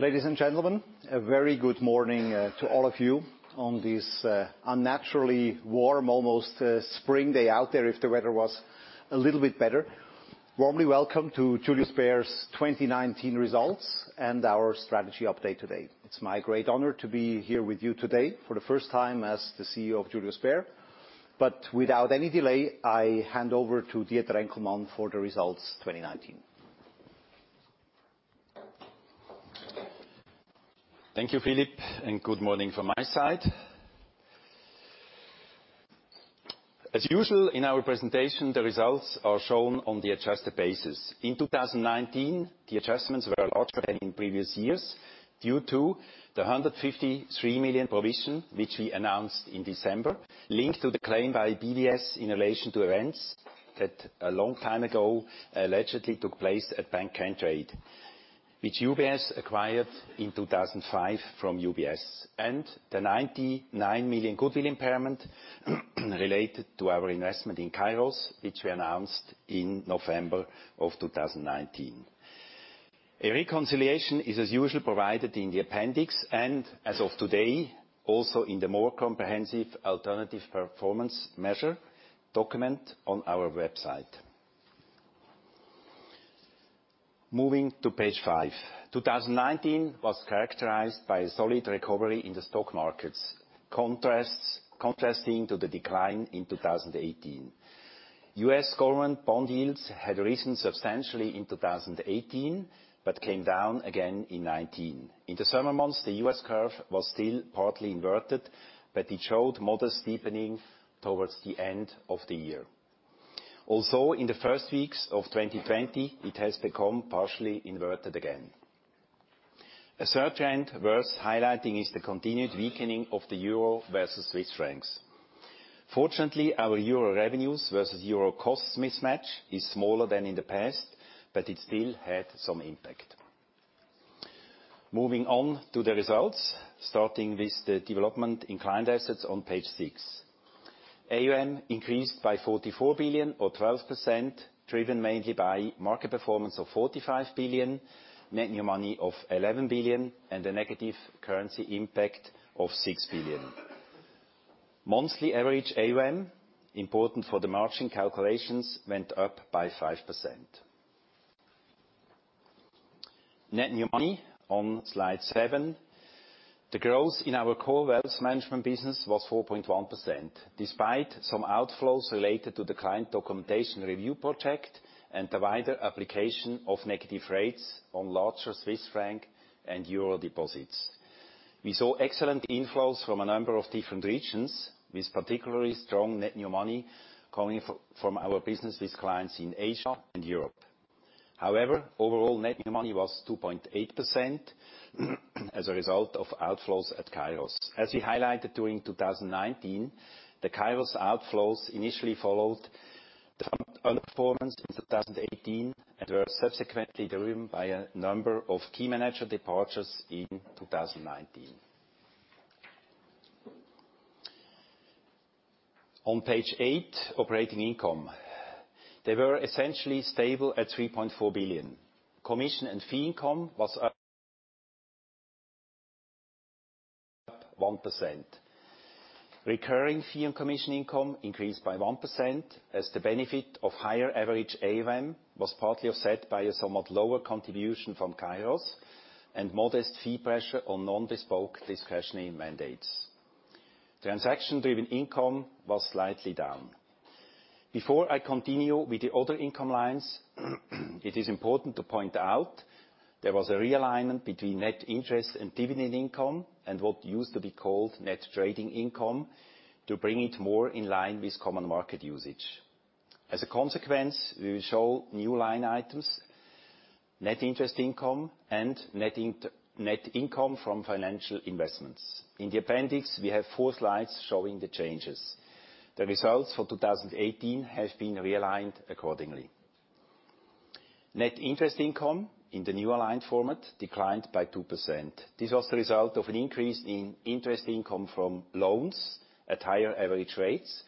Ladies and gentlemen, a very good morning to all of you on this unnaturally warm, almost spring day out there, if the weather was a little bit better. Warmly welcome to Julius Baer's 2019 results and our strategy update today. It's my great honor to be here with you today for the first time as the CEO of Julius Baer. Without any delay, I hand over to Dieter Enkelmann for the results 2019. Thank you, Philipp, and good morning from my side. As usual, in our presentation, the results are shown on the adjusted basis. In 2019, the adjustments were larger than in previous years due to the 153 million provision, which we announced in December, linked to the claim by BvS in relation to events that, a long time ago, allegedly took place at Bank Cantrade, which UBS acquired in 2005 from UBS. The 99 million goodwill impairment related to our investment in Kairos, which we announced in November 2019. A reconciliation is, as usual, provided in the appendix, and as of today, also in the more comprehensive alternative performance measure document on our website. Moving to page five. 2019 was characterized by a solid recovery in the stock markets, contrasting to the decline in 2018. U.S. government bond yields had risen substantially in 2018, but came down again in 2019. In the summer months, the U.S. curve was still partly inverted, but it showed modest steepening towards the end of the year. In the first weeks of 2020, it has become partially inverted again. A third trend worth highlighting is the continued weakening of the euro versus Swiss francs. Fortunately, our euro revenues versus euro costs mismatch is smaller than in the past, but it still had some impact. Moving on to the results, starting with the development in client assets on page six. AUM increased by 44 billion or 12%, driven mainly by market performance of 45 billion, net new money of 11 billion, and a negative currency impact of 6 billion. Monthly average AUM, important for the margin calculations, went up by 5%. Net new money on slide seven. The growth in our core wealth management business was 4.1%, despite some outflows related to the client documentation review project and the wider application of negative rates on larger Swiss franc and EUR deposits. We saw excellent inflows from a number of different regions, with particularly strong net new money coming from our business with clients in Asia and Europe. Overall net new money was 2.8% as a result of outflows at Kairos. As we highlighted during 2019, the Kairos outflows initially followed the underperformance in 2018, and were subsequently driven by a number of key manager departures in 2019. On page eight, operating income. They were essentially stable at 3.4 billion. Commission and fee income was up 1%. Recurring fee and commission income increased by 1%, as the benefit of higher average AUM was partly offset by a somewhat lower contribution from Kairos and modest fee pressure on non-bespoke discretionary mandates. Transaction-driven income was slightly down. Before I continue with the other income lines, it is important to point out there was a realignment between net interest and dividend income and what used to be called net trading income to bring it more in line with common market usage. As a consequence, we will show new line items, net interest income and net income from financial investments. In the appendix, we have four slides showing the changes. The results for 2018 have been realigned accordingly. Net interest income in the new aligned format declined by 2%. This was the result of an increase in interest income from loans at higher average rates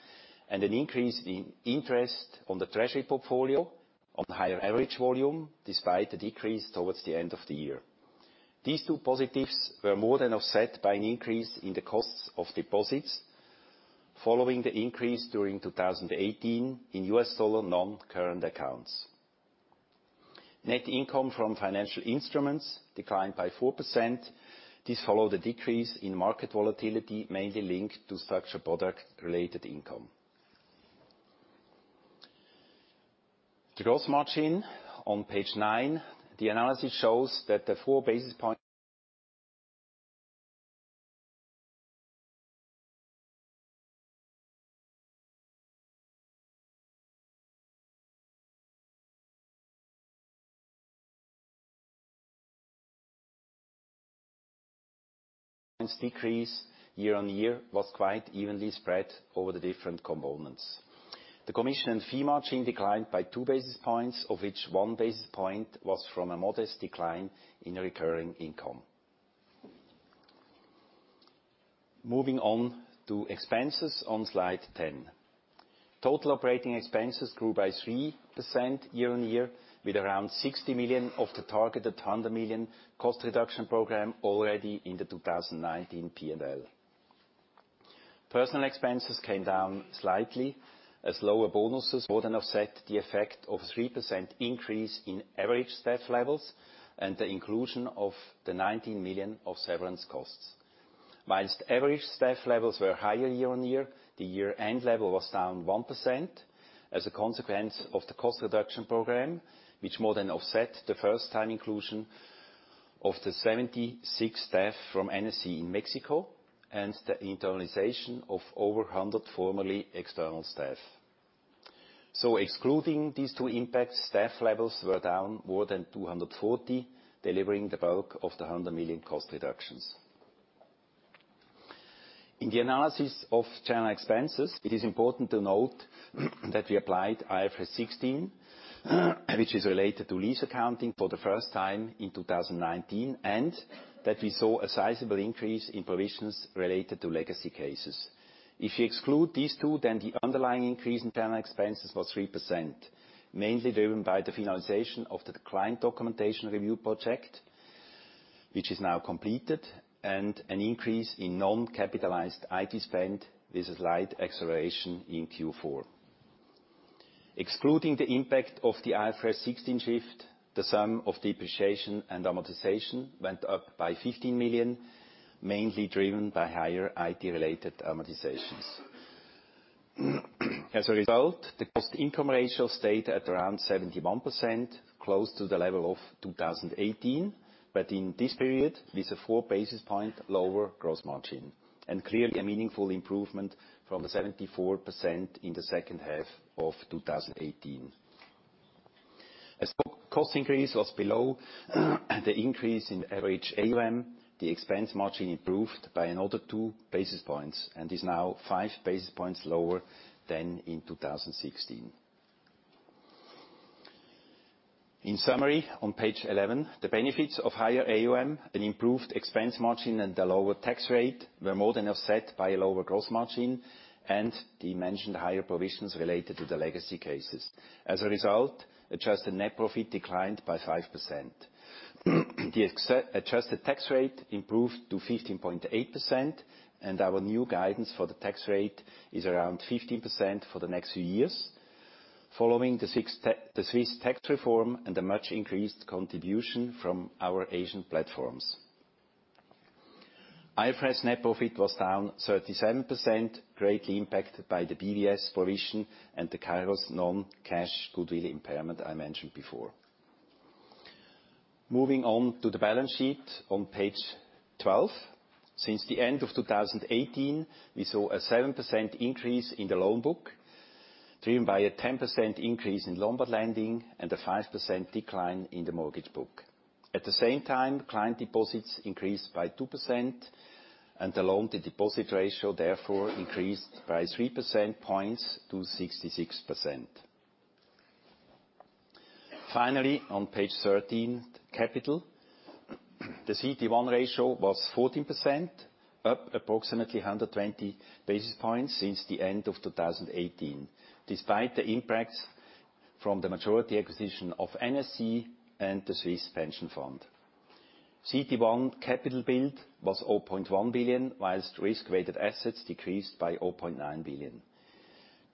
and an increase in interest on the treasury portfolio on higher average volume despite the decrease towards the end of the year. These two positives were more than offset by an increase in the costs of deposits following the increase during 2018 in U.S. dollar non-current accounts. Net income from financial instruments declined by 4%. This followed a decrease in market volatility, mainly linked to structured product-related income. Gross margin on page nine, the analysis shows that the 4 basis point decrease year-on-year was quite evenly spread over the different components. The commission and fee margin declined by 2 basis points, of which 1 basis point was from a modest decline in recurring income. Moving on to expenses on slide 10. Total operating expenses grew by 3% year-on-year, with around 60 million of the targeted 100 million cost reduction program already in the 2019 P&L. Personnel expenses came down slightly as lower bonuses more than offset the effect of 3% increase in average staff levels and the inclusion of the 19 million of severance costs. Whilst average staff levels were higher year-on-year, the year-end level was down 1% as a consequence of the cost reduction program, which more than offset the first-time inclusion of the 76 staff from NSC in Mexico, and the internalization of over 100 formerly external staff. Excluding these two impacts, staff levels were down more than 240, delivering the bulk of the 100 million cost reductions. In the analysis of general expenses, it is important to note that we applied IFRS 16 which is related to lease accounting for the first time in 2019, and that we saw a sizable increase in provisions related to legacy cases. If you exclude these two, then the underlying increase in general expenses was 3%, mainly driven by the finalization of the client documentation review project, which is now completed, and an increase in non-capitalized IT spend. This is light acceleration in Q4. Excluding the impact of the IFRS 16 shift, the sum of depreciation and amortization went up by 15 million, mainly driven by higher IT-related amortizations. As a result, the cost-income ratio stayed at around 71%, close to the level of 2018. In this period, with a 4 basis point lower gross margin, and clearly a meaningful improvement from the 74% in the second half of 2018. As cost increase was below the increase in average AUM, the expense margin improved by another 2 basis points, and is now 5 basis points lower than in 2016. In summary, on page 11, the benefits of higher AUM and improved expense margin and the lower tax rate were more than offset by a lower gross margin, and the mentioned higher provisions related to the legacy cases. As a result, adjusted net profit declined by 5%. The adjusted tax rate improved to 15.8%, and our new guidance for the tax rate is around 15% for the next few years, following the Swiss tax reform and a much increased contribution from our Asian platforms. IFRS net profit was down 37%, greatly impacted by the BvS provision and the Kairos non-cash goodwill impairment I mentioned before. Moving on to the balance sheet on page 12. Since the end of 2018, we saw a 7% increase in the loan book, driven by a 10% increase in Lombard lending and a 5% decline in the mortgage book. At the same time, client deposits increased by 2% and the loan-to-deposit ratio therefore increased by 3 percentage points to 66%. Finally, on page 13, capital. The CET1 ratio was 14%, up approximately 120 basis points since the end of 2018, despite the impacts from the majority acquisition of NSC and the Swiss Pension Fund. CET1 capital build was 4.1 billion, whilst risk-weighted assets decreased by 0.9 billion.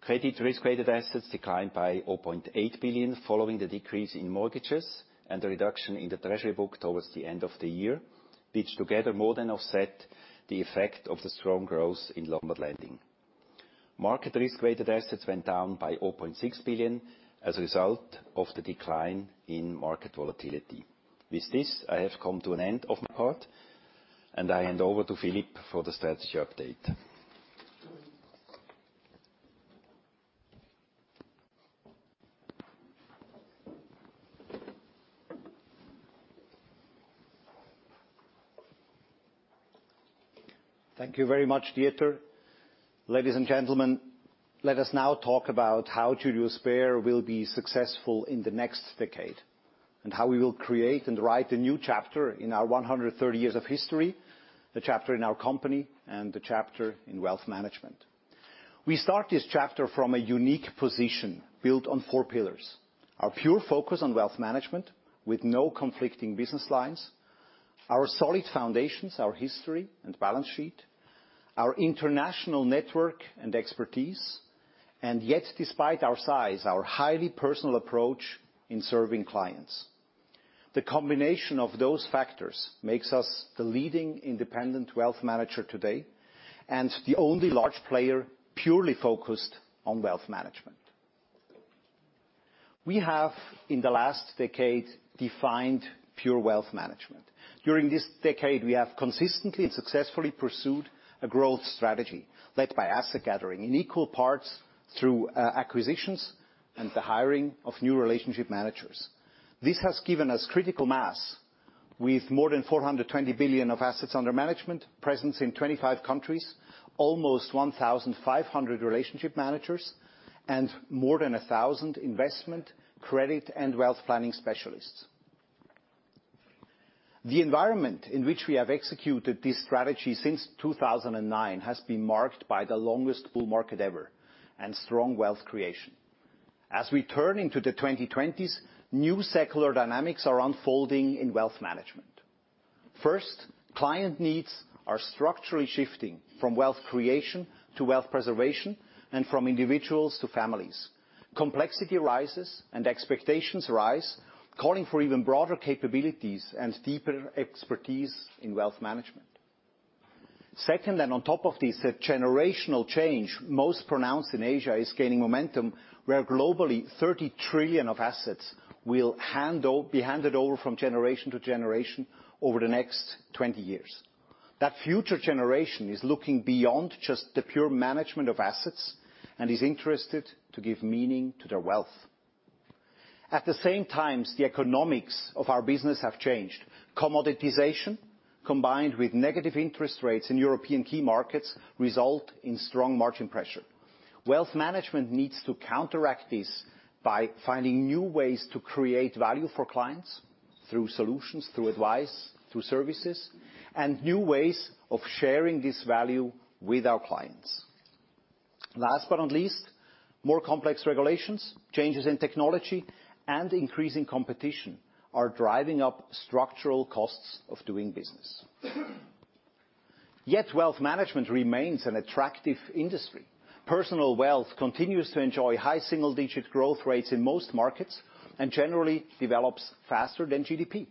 Credit risk-weighted assets declined by 0.8 billion, following the decrease in mortgages and the reduction in the treasury book towards the end of the year, which together more than offset the effect of the strong growth in Lombard lending. Market risk-weighted assets went down by 0.6 billion as a result of the decline in market volatility. With this, I have come to an end of my part, and I hand over to Philipp for the strategy update. Thank you very much, Dieter. Ladies and gentlemen, let us now talk about how Julius Baer will be successful in the next decade, and how we will create and write a new chapter in our 130 years of history, a chapter in our company, and a chapter in wealth management. We start this chapter from a unique position built on 4 pillars: our pure focus on wealth management with no conflicting business lines, our solid foundations, our history and balance sheet, our international network and expertise, and yet despite our size, our highly personal approach in serving clients. The combination of those factors makes us the leading independent wealth manager today, and the only large player purely focused on wealth management. We have, in the last decade, defined pure wealth management. During this decade, we have consistently and successfully pursued a growth strategy led by asset gathering in equal parts through acquisitions and the hiring of new relationship managers. This has given us critical mass with more than 420 billion of assets under management, presence in 25 countries, almost 1,500 relationship managers, and more than 1,000 investment, credit, and wealth planning specialists. The environment in which we have executed this strategy since 2009 has been marked by the longest bull market ever and strong wealth creation. As we turn into the 2020s, new secular dynamics are unfolding in wealth management. First, client needs are structurally shifting from wealth creation to wealth preservation, and from individuals to families. Complexity rises and expectations rise, calling for even broader capabilities and deeper expertise in wealth management. Second, on top of this, a generational change, most pronounced in Asia, is gaining momentum, where globally 30 trillion of assets will be handed over from generation to generation over the next 20 years. That future generation is looking beyond just the pure management of assets and is interested to give meaning to their wealth. At the same time, the economics of our business have changed. Commoditization, combined with negative interest rates in European key markets, result in strong margin pressure. Wealth management needs to counteract this by finding new ways to create value for clients through solutions, through advice, through services, and new ways of sharing this value with our clients. Last but not least, more complex regulations, changes in technology, and increasing competition are driving up structural costs of doing business. Yet wealth management remains an attractive industry. Personal wealth continues to enjoy high single-digit growth rates in most markets and generally develops faster than GDP.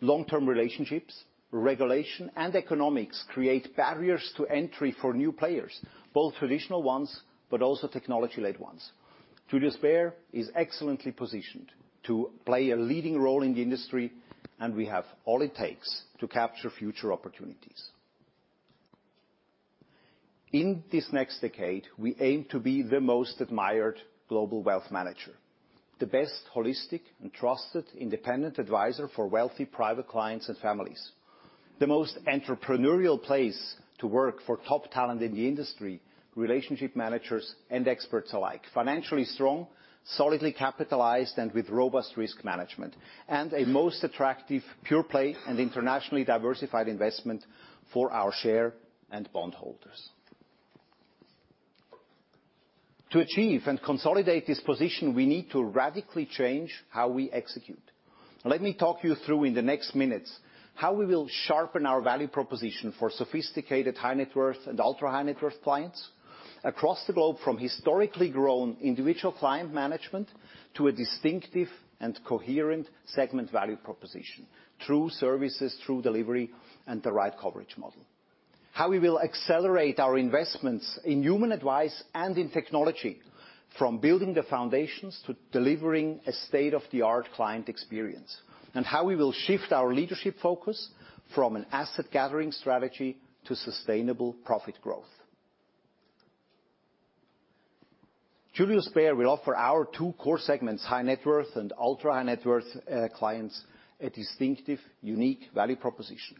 Long-term relationships, regulation, and economics create barriers to entry for new players, both traditional ones, but also technology-led ones. Julius Baer is excellently positioned to play a leading role in the industry, and we have all it takes to capture future opportunities. In this next decade, we aim to be the most admired global wealth manager, the best holistic and trusted independent advisor for wealthy private clients and families, the most entrepreneurial place to work for top talent in the industry, relationship managers and experts alike, financially strong, solidly capitalized, and with robust risk management, and a most attractive pure play and internationally diversified investment for our share and bondholders. To achieve and consolidate this position, we need to radically change how we execute. Let me talk you through in the next minutes how we will sharpen our value proposition for sophisticated high-net worth and ultra-high-net worth clients across the globe from historically grown individual client management to a distinctive and coherent segment value proposition through services, through delivery, and the right coverage model. How we will accelerate our investments in human advice and in technology from building the foundations to delivering a state-of-the-art client experience, and how we will shift our leadership focus from an asset-gathering strategy to sustainable profit growth. Julius Baer will offer our two core segments, high-net worth and ultra-high-net worth clients, a distinctive, unique value proposition.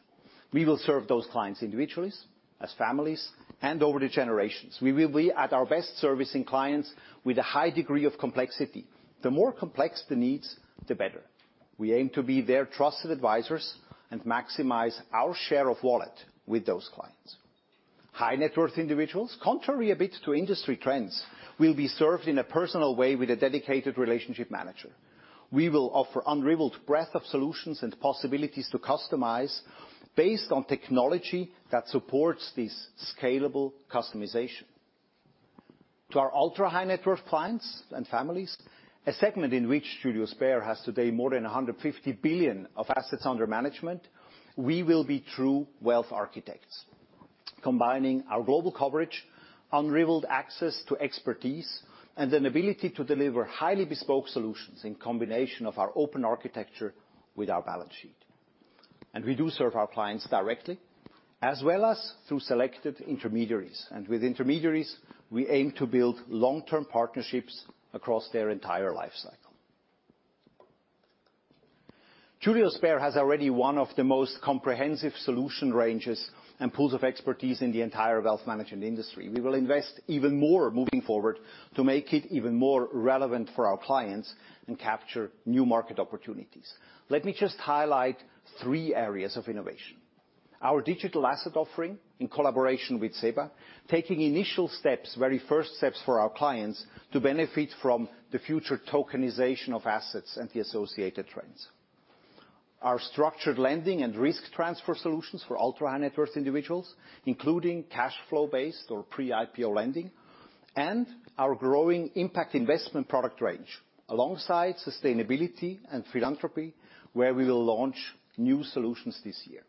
We will serve those clients individually, as families, and over the generations. We will be at our best servicing clients with a high degree of complexity. The more complex the needs, the better. We aim to be their trusted advisors and maximize our share of wallet with those clients. High-net worth individuals, contrary a bit to industry trends, will be served in a personal way with a dedicated relationship manager. We will offer unrivaled breadth of solutions and possibilities to customize based on technology that supports this scalable customization. To our ultra-high-net worth clients and families, a segment in which Julius Baer has today more than 150 billion of assets under management, we will be true wealth architects, combining our global coverage, unrivaled access to expertise, and an ability to deliver highly bespoke solutions in combination of our open architecture with our balance sheet. We do serve our clients directly, as well as through selected intermediaries. With intermediaries, we aim to build long-term partnerships across their entire life cycle. Julius Baer has already one of the most comprehensive solution ranges and pools of expertise in the entire wealth management industry. We will invest even more moving forward to make it even more relevant for our clients and capture new market opportunities. Let me just highlight three areas of innovation. Our digital asset offering in collaboration with SEBA, taking initial steps, very first steps for our clients to benefit from the future tokenization of assets and the associated trends. Our structured lending and risk transfer solutions for ultra-high-net-worth individuals, including cash flow-based or pre-IPO lending, and our growing impact investment product range, alongside sustainability and philanthropy, where we will launch new solutions this year.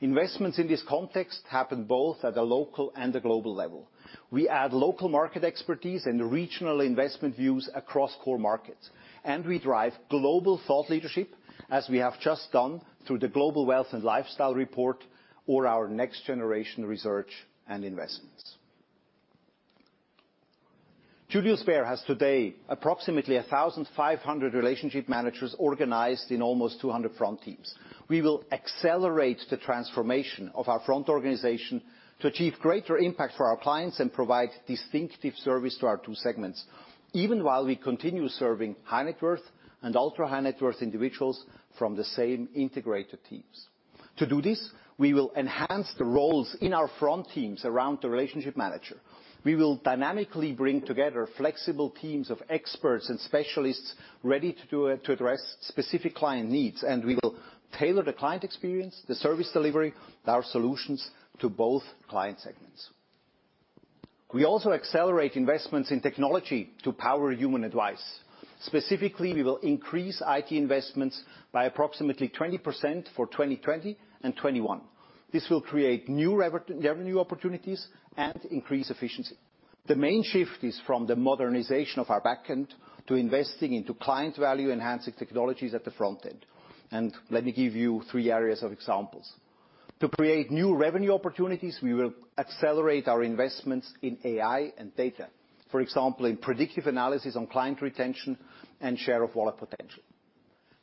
Investments in this context happen both at a local and a global level. We add local market expertise and regional investment views across core markets, and we drive global thought leadership, as we have just done through the Global Wealth and Lifestyle Report or our next-generation research and investments. Julius Baer has today approximately 1,500 relationship managers organized in almost 200 front teams. We will accelerate the transformation of our front organization to achieve greater impact for our clients and provide distinctive service to our two segments, even while we continue serving high-net worth and ultra-high-net worth individuals from the same integrated teams. To do this, we will enhance the roles in our front teams around the relationship manager. We will dynamically bring together flexible teams of experts and specialists ready to do to address specific client needs, and we will tailor the client experience, the service delivery, and our solutions to both client segments. We also accelerate investments in technology to power human advice. Specifically, we will increase IT investments by approximately 20% for 2020 and 2021. This will create new revenue opportunities and increase efficiency. The main shift is from the modernization of our back end to investing into client value, enhancing technologies at the front end. Let me give you three areas of examples. To create new revenue opportunities, we will accelerate our investments in AI and data. For example, in predictive analysis on client retention and share of wallet potential.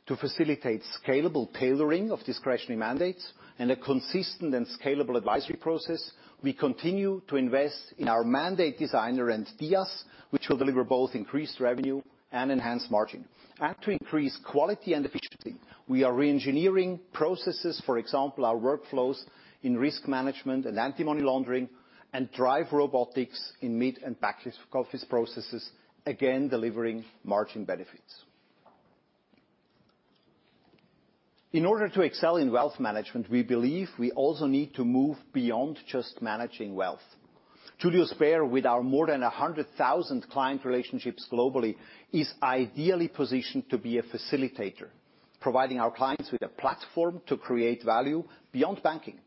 To facilitate scalable tailoring of discretionary mandates and a consistent and scalable advisory process, we continue to invest in our Mandate Designer entities, which will deliver both increased revenue and enhanced margin. To increase quality and efficiency, we are re-engineering processes, for example, our workflows in risk management and anti-money laundering, and drive robotics in mid and back office processes. Again, delivering margin benefits. In order to excel in wealth management, we believe we also need to move beyond just managing wealth. Julius Baer, with our more than 100,000 client relationships globally, is ideally positioned to be a facilitator, providing our clients with a platform to create value beyond banking.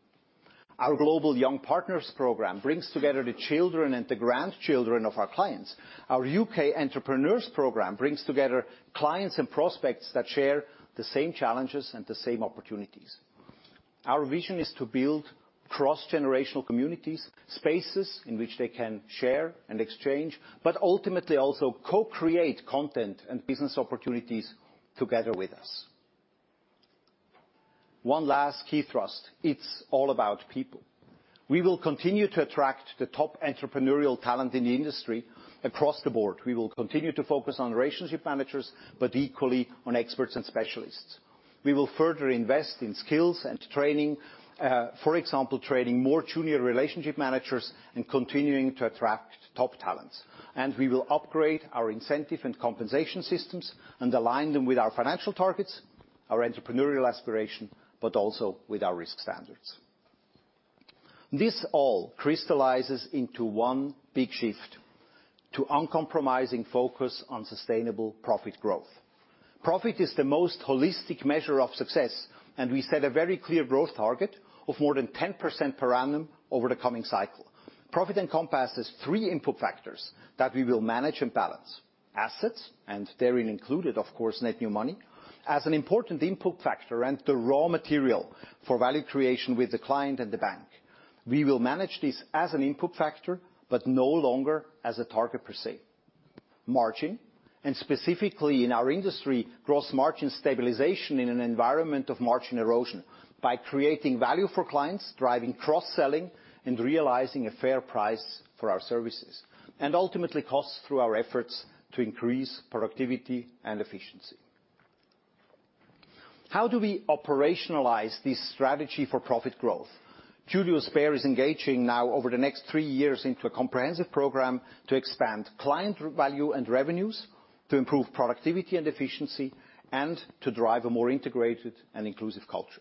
Our global young partners program brings together the children and the grandchildren of our clients. Our U.K. entrepreneurs program brings together clients and prospects that share the same challenges and the same opportunities. Our vision is to build cross-generational communities, spaces in which they can share and exchange, but ultimately, also co-create content and business opportunities together with us. One last key thrust. It's all about people. We will continue to attract the top entrepreneurial talent in the industry across the board. We will continue to focus on relationship managers, equally on experts and specialists. We will further invest in skills and training, for example, training more junior relationship managers and continuing to attract top talents. We will upgrade our incentive and compensation systems and align them with our financial targets, our entrepreneurial aspiration, also with our risk standards. This all crystallizes into one big shift, to uncompromising focus on sustainable profit growth. Profit is the most holistic measure of success. We set a very clear growth target of more than 10% per annum over the coming cycle. Profit encompasses three input factors that we will manage and balance. Assets, therein included, of course, net new money, as an important input factor and the raw material for value creation with the client and the bank. We will manage this as an input factor, no longer as a target per se. Margin, specifically in our industry, gross margin stabilization in an environment of margin erosion by creating value for clients, driving cross-selling, and realizing a fair price for our services. Ultimately costs through our efforts to increase productivity and efficiency. How do we operationalize this strategy for profit growth? Julius Baer is engaging now over the next three years into a comprehensive program to expand client value and revenues, to improve productivity and efficiency, and to drive a more integrated and inclusive culture.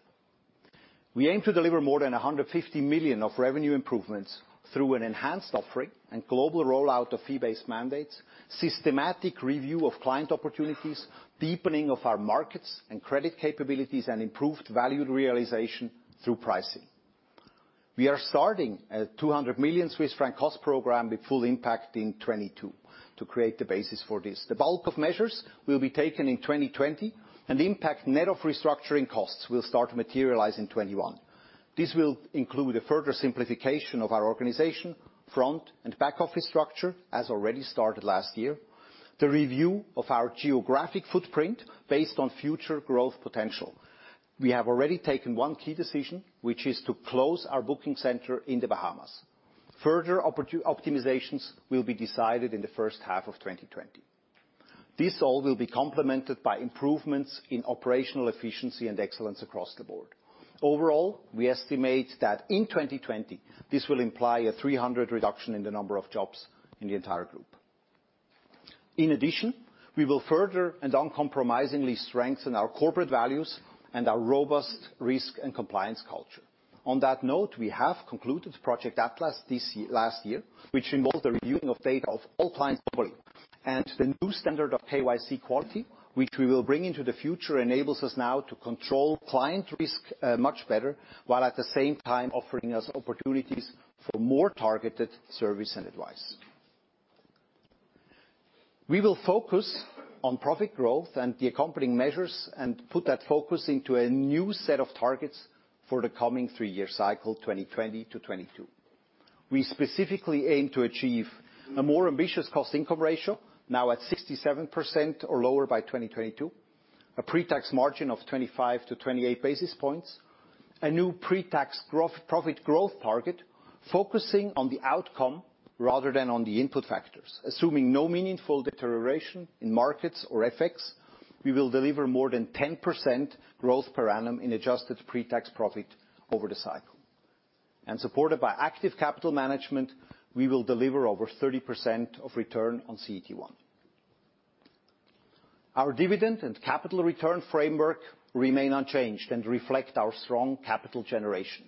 We aim to deliver more than 150 million of revenue improvements through an enhanced offering and global rollout of fee-based mandates, systematic review of client opportunities, deepening of our markets and credit capabilities, and improved value realization through pricing. We are starting a 200 million Swiss franc cost program with full impact in 2022 to create the basis for this. The bulk of measures will be taken in 2020, and impact net of restructuring costs will start to materialize in 2021. This will include a further simplification of our organization, front and back office structure, as already started last year, the review of our geographic footprint based on future growth potential. We have already taken one key decision, which is to close our booking center in the Bahamas. Further optimizations will be decided in the first half of 2020. This all will be complemented by improvements in operational efficiency and excellence across the board. Overall, we estimate that in 2020, this will imply a 300 reduction in the number of jobs in the entire group. We will further and uncompromisingly strengthen our corporate values and our robust risk and compliance culture. On that note, we have concluded Project Atlas this last year, which involved the reviewing of data of all clients globally. The new standard of KYC quality, which we will bring into the future, enables us now to control client risk much better, while at the same time offering us opportunities for more targeted service and advice. We will focus on profit growth and the accompanying measures and put that focus into a new set of targets for the coming three-year cycle, 2020-2022. We specifically aim to achieve a more ambitious cost income ratio, now at 67% or lower by 2022. A pre-tax margin of 25-28 basis points. Focusing on the outcome rather than on the input factors. Assuming no meaningful deterioration in markets or FX, we will deliver more than 10% growth per annum in adjusted pre-tax profit over the cycle. Supported by active capital management, we will deliver over 30% of return on CET1. Our dividend and capital return framework remain unchanged and reflect our strong capital generation.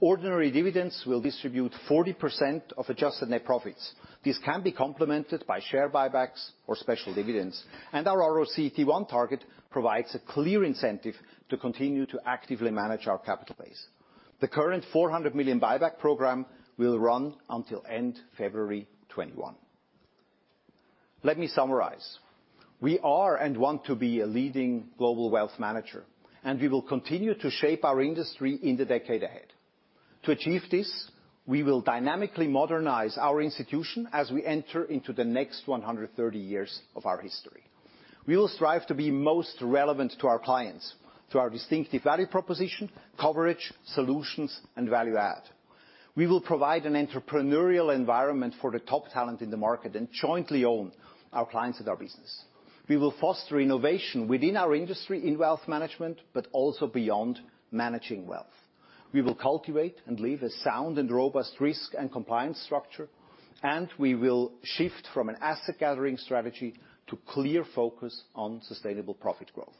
Ordinary dividends will distribute 40% of adjusted net profits. This can be complemented by share buybacks or special dividends. Our RoCET1 target provides a clear incentive to continue to actively manage our capital base. The current 400 million buyback program will run until end February 2021. Let me summarize. We are and want to be a leading global wealth manager, and we will continue to shape our industry in the decade ahead. To achieve this, we will dynamically modernize our institution as we enter into the next 130 years of our history. We will strive to be most relevant to our clients, to our distinctive value proposition, coverage, solutions, and value add. We will provide an entrepreneurial environment for the top talent in the market and jointly own our clients and our business. We will foster innovation within our industry in wealth management, but also beyond managing wealth. We will cultivate and leave a sound and robust risk and compliance structure, and we will shift from an asset gathering strategy to clear focus on sustainable profit growth.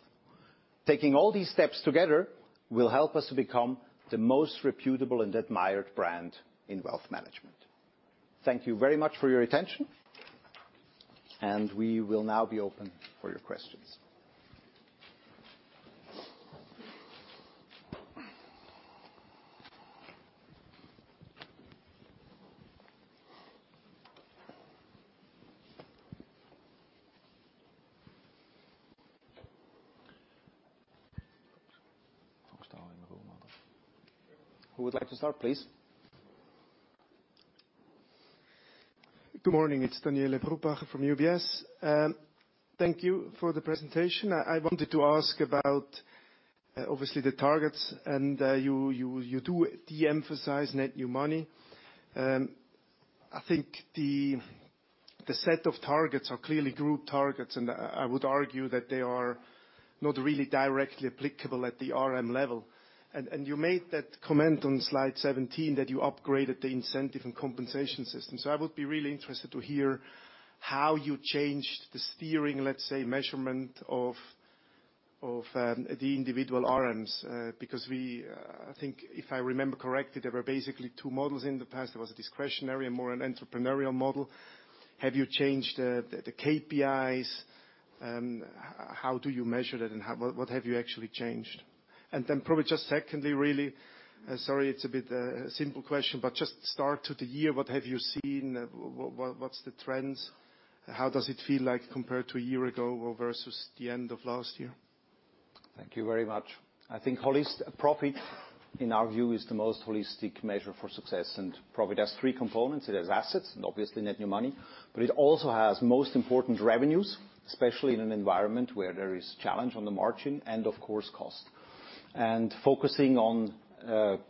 Taking all these steps together will help us to become the most reputable and admired brand in wealth management. Thank you very much for your attention. We will now be open for your questions. Who would like to start, please? Good morning. It's Daniele Brupbacher from UBS. Thank you for the presentation. I wanted to ask about obviously the targets, and you do de-emphasize net new money. I think the set of targets are clearly group targets, and I would argue that they are not really directly applicable at the RM level. You made that comment on slide 17 that you upgraded the incentive and compensation system. I would be really interested to hear how you changed the steering, let's say, measurement of the individual RMs. Because I think if I remember correctly, there were basically two models in the past. There was a discretionary and more an entrepreneurial model. Have you changed the KPIs? How do you measure that, and what have you actually changed? Probably just secondly really, sorry, it's a bit, a simple question, but just start to the year, what have you seen? What's the trends? How does it feel like compared to a year ago or versus the end of last year? Thank you very much. I think profit, in our view, is the most holistic measure for success, and profit has three components. It has assets and obviously net new money, but it also has, most important, revenues, especially in an environment where there is challenge on the margin and of course cost. Focusing on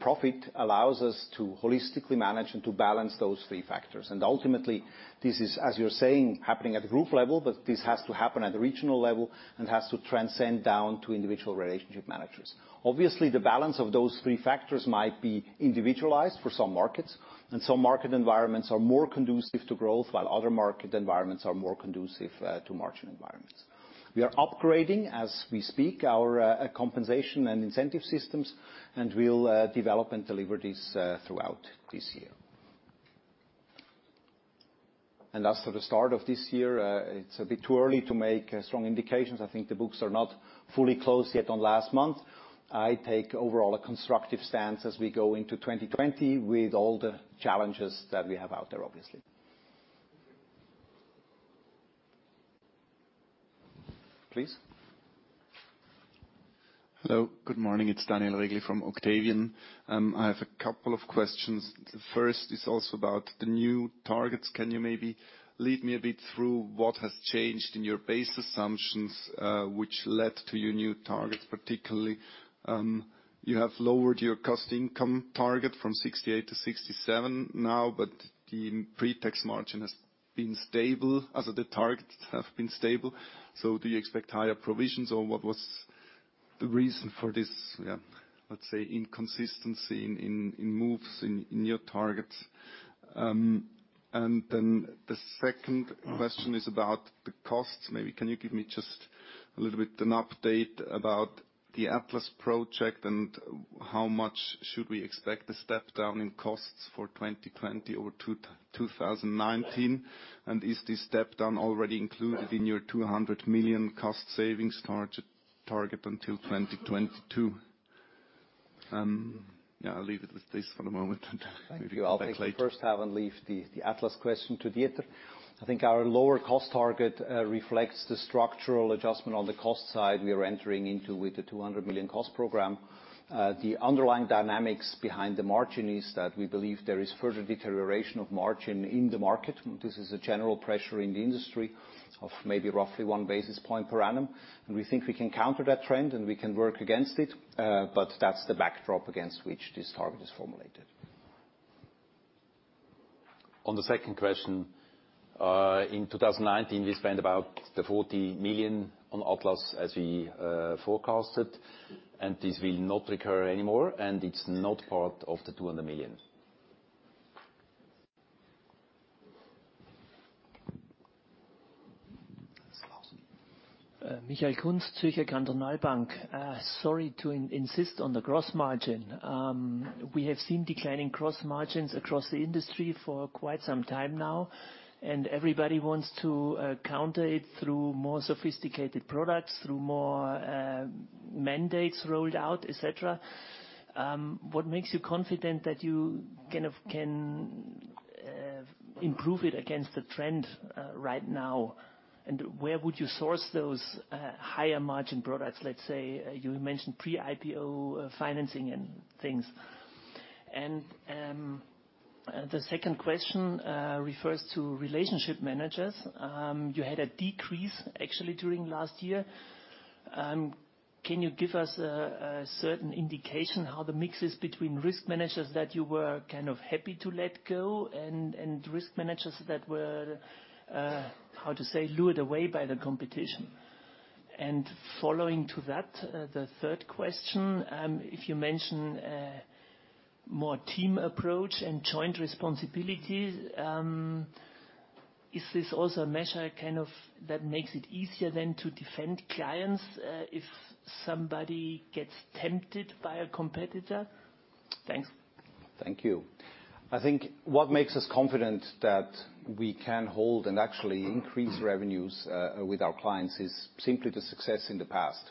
profit allows us to holistically manage and to balance those three factors. Ultimately, this is, as you're saying, happening at the group level, but this has to happen at the regional level and has to transcend down to individual relationship managers. Obviously, the balance of those three factors might be individualized for some markets, and some market environments are more conducive to growth, while other market environments are more conducive to margin environments. We are upgrading, as we speak, our compensation and incentive systems, and we'll develop and deliver this throughout this year. As for the start of this year, it's a bit too early to make strong indications. I think the books are not fully closed yet on last month. I take overall a constructive stance as we go into 2020 with all the challenges that we have out there, obviously. Please. Hello, good morning. It's Daniel Regli from Octavian. I have a couple of questions. The first is also about the new targets. Can you maybe lead me a bit through what has changed in your base assumptions which led to your new targets? Particularly, you have lowered your cost income target from 68% to 67% now, but the pre-tax margin has been stable as the targets have been stable. Do you expect higher provisions, or what was the reason for this inconsistency in moves in your targets? The second question is about the costs. Maybe can you give me just a little bit an update about the Atlas project and how much should we expect a step down in costs for 2020 over 2019? Is this step down already included in your 200 million cost savings target until 2022? Yeah, I'll leave it with this for the moment and maybe come back later. Thank you. I'll take the first half and leave the Atlas question to Dieter. I think our lower cost target reflects the structural adjustment on the cost side we are entering into with the 200 million cost program. The underlying dynamics behind the margin is that we believe there is further deterioration of margin in the market. This is a general pressure in the industry of maybe roughly 1 basis point per annum. We think we can counter that trend, and we can work against it. That's the backdrop against which this target is formulated. On the second question, in 2019, we spent about the 40 million on Atlas as we forecasted, and this will not recur anymore, and it's not part of the 200 million. Michael Kunz, Zürcher Kantonalbank. Sorry to insist on the gross margin. We have seen declining gross margins across the industry for quite some time now, and everybody wants to counter it through more sophisticated products, through more mandates rolled out, et cetera. What makes you confident that you kind of can improve it against the trend right now? Where would you source those higher margin products? Let's say, you mentioned pre-IPO financing and things. The second question refers to relationship managers. You had a decrease actually during last year. Can you give us a certain indication how the mix is between relationship managers that you were kind of happy to let go and relationship managers that were, how to say, lured away by the competition? Following to that, the third question, if you mention more team approach and joint responsibilities, is this also a measure kind of that makes it easier then to defend clients, if somebody gets tempted by a competitor? Thanks. Thank you. I think what makes us confident that we can hold and actually increase revenues with our clients is simply the success in the past.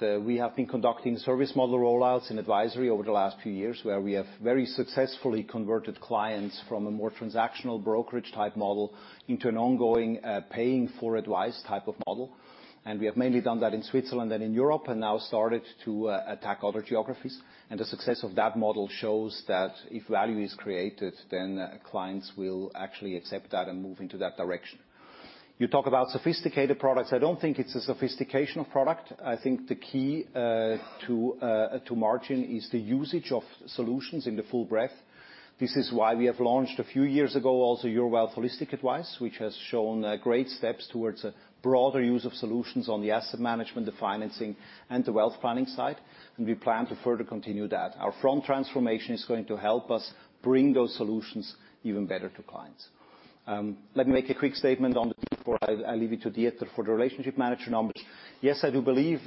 We have been conducting service model rollouts in advisory over the last few years, where we have very successfully converted clients from a more transactional brokerage-type model into an ongoing, paying for advice type of model. We have mainly done that in Switzerland and in Europe and now started to attack other geographies. The success of that model shows that if value is created, then clients will actually accept that and move into that direction. You talk about sophisticated products. I don't think it's a sophistication of product. I think the key to margin is the usage of solutions in the full breadth. This is why we have launched a few years ago also Your Wealth, Holistic Advice, which has shown great steps towards a broader use of solutions on the asset management, the financing, and the wealth planning side. We plan to further continue that. Our front transformation is going to help us bring those solutions even better to clients. Let me make a quick statement on the team before I leave it to Dieter for the relationship manager numbers. Yes, I do believe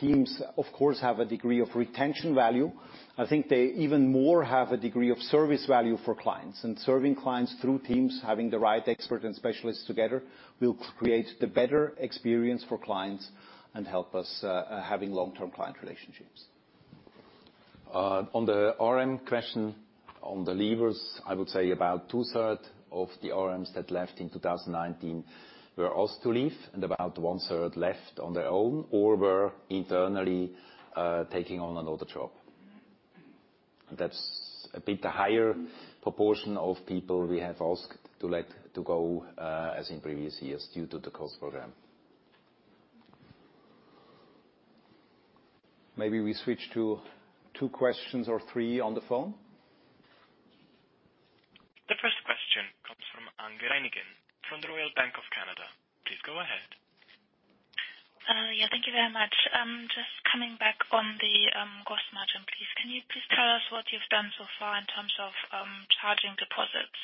teams, of course, have a degree of retention value. I think they even more have a degree of service value for clients. Serving clients through teams, having the right expert and specialists together, will create the better experience for clients and help us having long-term client relationships. On the RM question, on the leavers, I would say about two-third of the RMs that left in 2019 were asked to leave, and about one-third left on their own or were internally taking on another job. That's a bit higher proportion of people we have asked to let to go as in previous years, due to the cost program. Maybe we switch to two questions or three on the phone. The first question comes from Anke Reingen from the Royal Bank of Canada. Please go ahead. Yeah, thank you very much. Just coming back on the gross margin, please. Can you please tell us what you've done so far in terms of charging deposits?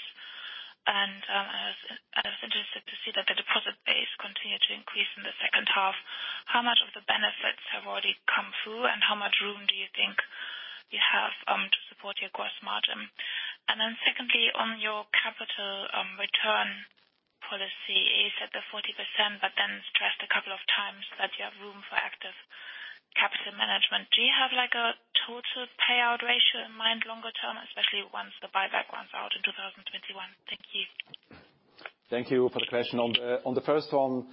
I was interested to see that the deposit base continued to increase in the second half. How much of the benefits have already come through, and how much room do you think you have to support your gross margin? Secondly, on your capital return policy, you said the 40%, but then stressed a couple of times that you have room for active capital management. Do you have like a total payout ratio in mind longer term, especially once the buyback runs out in 2021? Thank you. Thank you for the question. On the first one,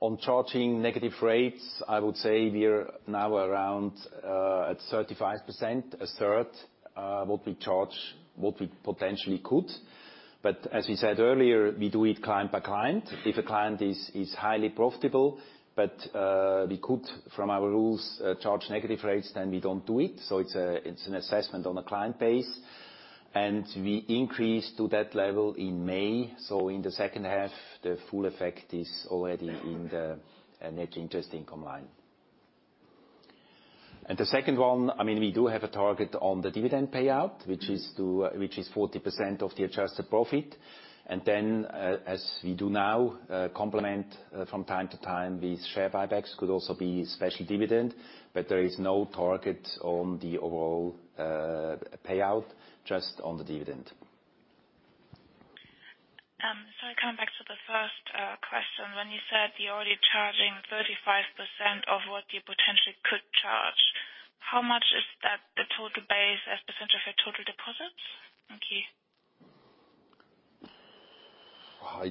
on charging negative rates, I would say we're now around 35%, a third, what we charge, what we potentially could. As we said earlier, we do it client by client. If a client is highly profitable, but we could from our rules charge negative rates, then we don't do it. It's an assessment on a client base. We increased to that level in May. In the second half, the full effect is already in the net interest income line. The second one, I mean, we do have a target on the dividend payout, which is 40% of the adjusted profit. As we do now, complement, from time to time with share buybacks, could also be special dividend, but there is no target on the overall payout, just on the dividend. Sorry, coming back to the first question. When you said you're already charging 35% of what you potentially could charge, how much is that the total base as percentage of your total deposits? Thank you.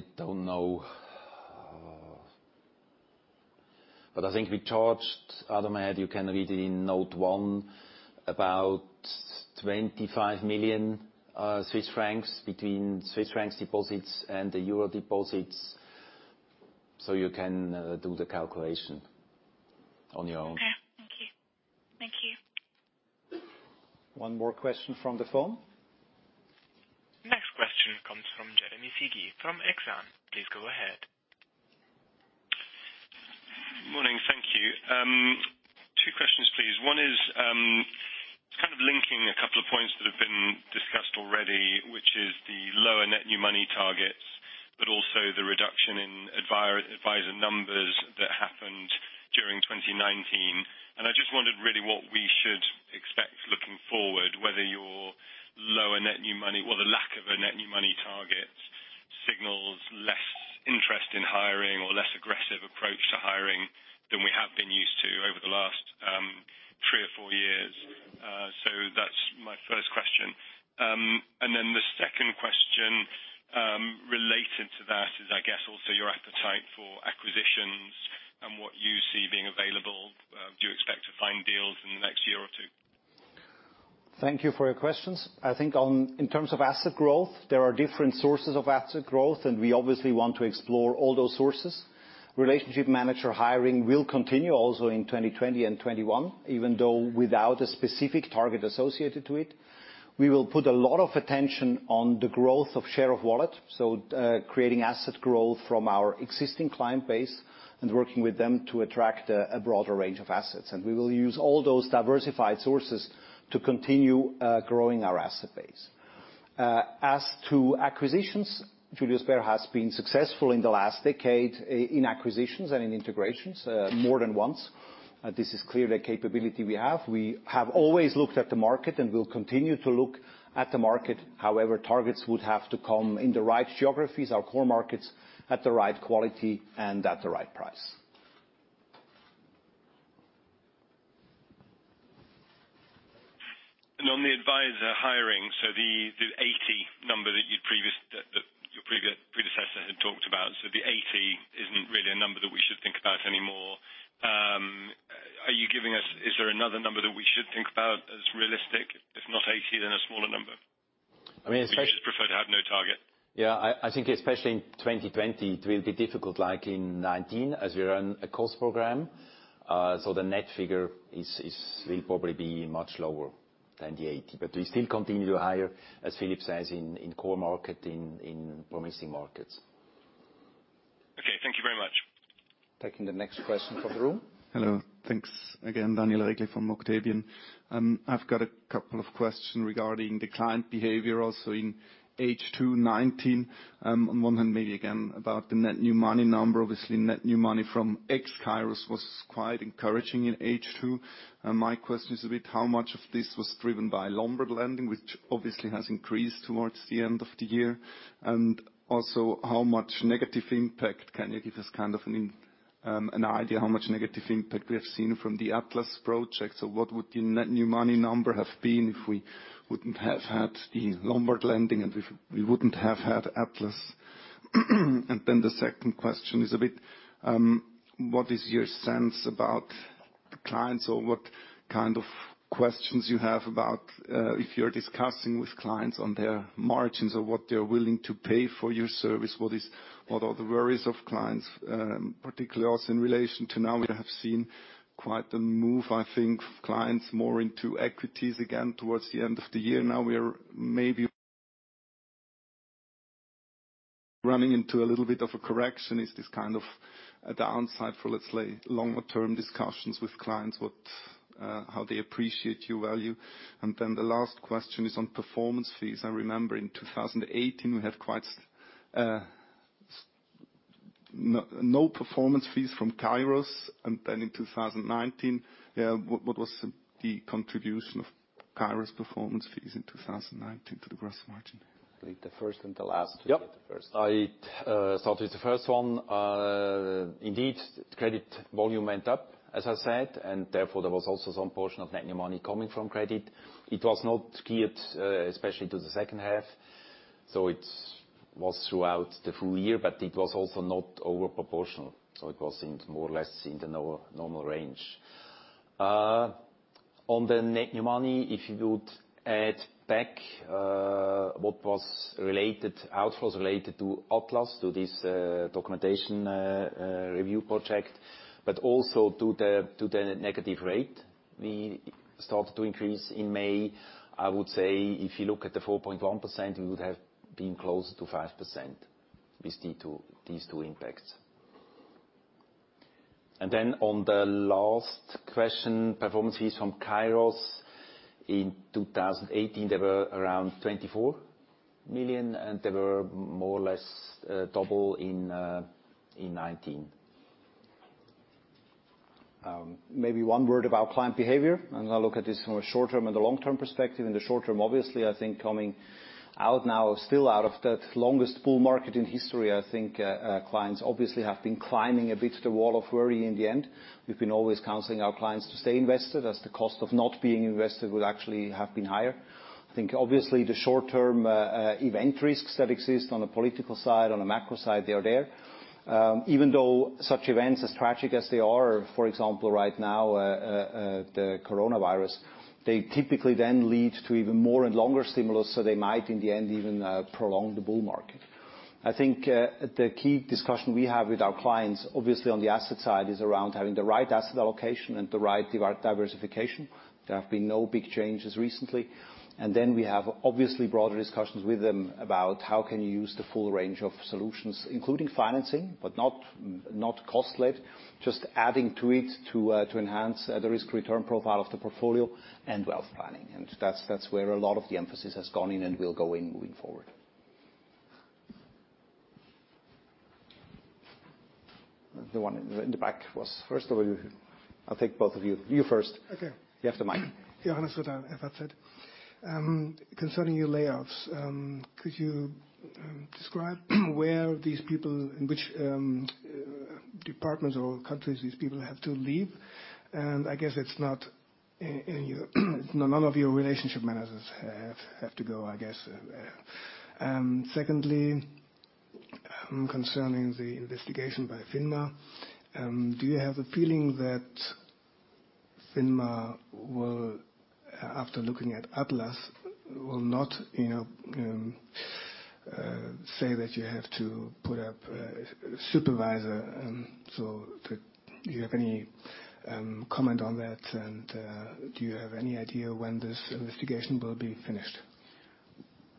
I don't know. I think we charged out of my head, you can read it in note one, about 25 million Swiss francs between Swiss francs deposits and the euro deposits. You can do the calculation on your own. Okay. Thank you. Thank you. One more question from the phone. Next question comes from Jeremy Sigee from Exane BNP Paribas. Please go ahead. Morning. Thank you. two questions, please. One is, it's kind of linking a couple of points that have been discussed already, which is the lower net new money targets, but also the reduction in adviser numbers that happened during 2019. I just wondered really what we should expect looking forward, whether your lower net new money or the lack of a net new money target signals less interest in hiring or less aggressive approach to hiring than we have been used to over the last three or four years. That's my first question. The second question, related to that is, I guess, also your appetite for acquisitions and what you see being available. Do you expect to find deals in the next year or two? Thank you for your questions. I think in terms of asset growth, there are different sources of asset growth. We obviously want to explore all those sources. Relationship manager hiring will continue also in 2020 and 2021, even though without a specific target associated to it. We will put a lot of attention on the growth of share of wallet, so creating asset growth from our existing client base and working with them to attract a broader range of assets. We will use all those diversified sources to continue growing our asset base. As to acquisitions, Julius Baer has been successful in the last decade in acquisitions and in integrations more than once. This is clearly a capability we have. We have always looked at the market and will continue to look at the market. Targets would have to come in the right geographies, our core markets, at the right quality and at the right price. On the adviser hiring, the 80 number that your predecessor had talked about, the 80 isn't really a number that we should think about anymore. Is there another number that we should think about as realistic? If not 80, then a smaller number. I mean. Would you just prefer to have no target? Yeah. I think especially in 2020, it will be difficult like in 2019 as we run a cost program. The net figure is will probably be much lower than the 80. We still continue to hire, as Philipp says, in core market, in promising markets. Okay. Thank you very much. Taking the next question from the room. Hello. Thanks again. Daniel Regli from Octavian. I've got a couple of questions regarding the client behavior also in H2 2019. On one hand, maybe again about the net new money number. Obviously, net new money from ex Kairos was quite encouraging in H2. My question is a bit how much of this was driven by Lombard lending, which obviously has increased towards the end of the year? Also, how much negative impact can you give us kind of an idea how much negative impact we have seen from the Atlas project? What would the net new money number have been if we wouldn't have had the Lombard lending and if we wouldn't have had Atlas? The second question is a bit, what is your sense about the clients or what kind of questions you have about, if you're discussing with clients on their margins or what they're willing to pay for your service, what are the worries of clients, particularly also in relation to now we have seen quite the move, I think, of clients more into equities again towards the end of the year. We're maybe running into a little bit of a correction. Is this kind of a downside for, let's say, longer-term discussions with clients, what how they appreciate your value? The last question is on performance fees. I remember in 2018, we have quite no performance fees from Kairos. In 2019, what was the contribution of Kairos performance fees in 2019 to the gross margin? I believe the first and the last. Yep. The first. I start with the first one. Indeed, credit volume went up, as I said, and therefore there was also some portion of net new money coming from credit. It was not skewed, especially to the second half, so it was throughout the full year, but it was also not over proportional, so it was in more or less in the normal range. On the net new money, if you would add back outflows related to Atlas, to this documentation review project, but also to the negative rate, we started to increase in May. I would say if you look at the 4.1%, we would have been closer to 5% with these two impacts. On the last question, performance fees from Kairos. In 2018, there were around 24 million, and there were more or less double in 2019. Maybe one word about client behavior, and I'll look at this from a short-term and a long-term perspective. In the short-term, obviously, I think coming out now, still out of that longest bull market in history, I think clients obviously have been climbing a bit the wall of worry in the end. We've been always counseling our clients to stay invested, as the cost of not being invested would actually have been higher. I think obviously the short-term event risks that exist on the political side, on the macro side, they are there. Even though such events, as tragic as they are, for example, right now, the coronavirus, they typically then lead to even more and longer stimulus, so they might, in the end, even prolong the bull market. I think the key discussion we have with our clients, obviously on the asset side, is around having the right asset allocation and the right diversification. There have been no big changes recently. We have, obviously, broader discussions with them about how can you use the full range of solutions, including financing, but not cost-led, just adding to it to enhance the risk-return profile of the portfolio and wealth planning. That's where a lot of the emphasis has gone in and will go in moving forward. The one in the back was first. You I'll take both of you. You first. Okay. You have the mic. Johannes Sudan]. Concerning your layoffs, could you describe where these people, in which departments or countries these people have to leave? I guess it's not in your None of your relationship managers have to go, I guess. Secondly, concerning the investigation by FINMA, do you have a feeling that FINMA will after looking at Atlas will not say that you have to put up a supervisor? Do you have any comment on that and do you have any idea when this investigation will be finished?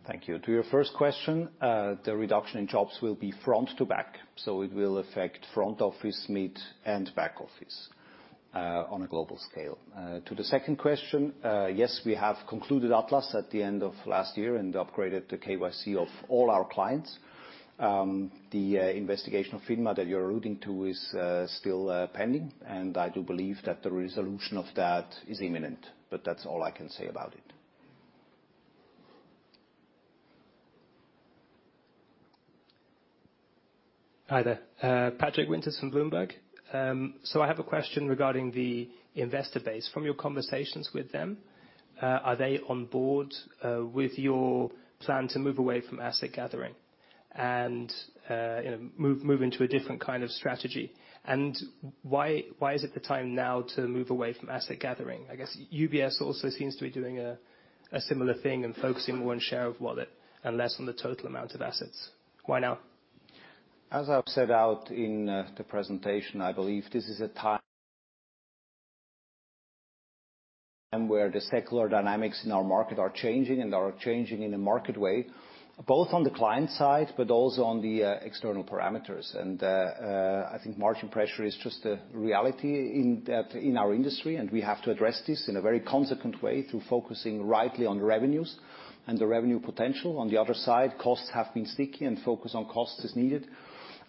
Thank you. To your first question, the reduction in jobs will be front to back, so it will affect front office, mid, and back office on a global scale. To the second question, yes, we have concluded Atlas at the end of last year and upgraded the KYC of all our clients. The investigation of FINMA that you're alluding to is still pending, and I do believe that the resolution of that is imminent. That's all I can say about it. Hi there. Patrick Winters from Bloomberg. I have a question regarding the investor base. From your conversations with them, are they on board with your plan to move away from asset gathering and, you know, move into a different kind of strategy? Why is it the time now to move away from asset gathering? I guess UBS also seems to be doing a similar thing and focusing more on share of wallet and less on the total amount of assets. Why now? As I've set out in the presentation, I believe this is a time where the secular dynamics in our market are changing and are changing in a market way, both on the client side, but also on the external parameters. I think margin pressure is just a reality in our industry, and we have to address this in a very consequent way through focusing rightly on revenues and the revenue potential. On the other side, costs have been sticky, and focus on costs is needed.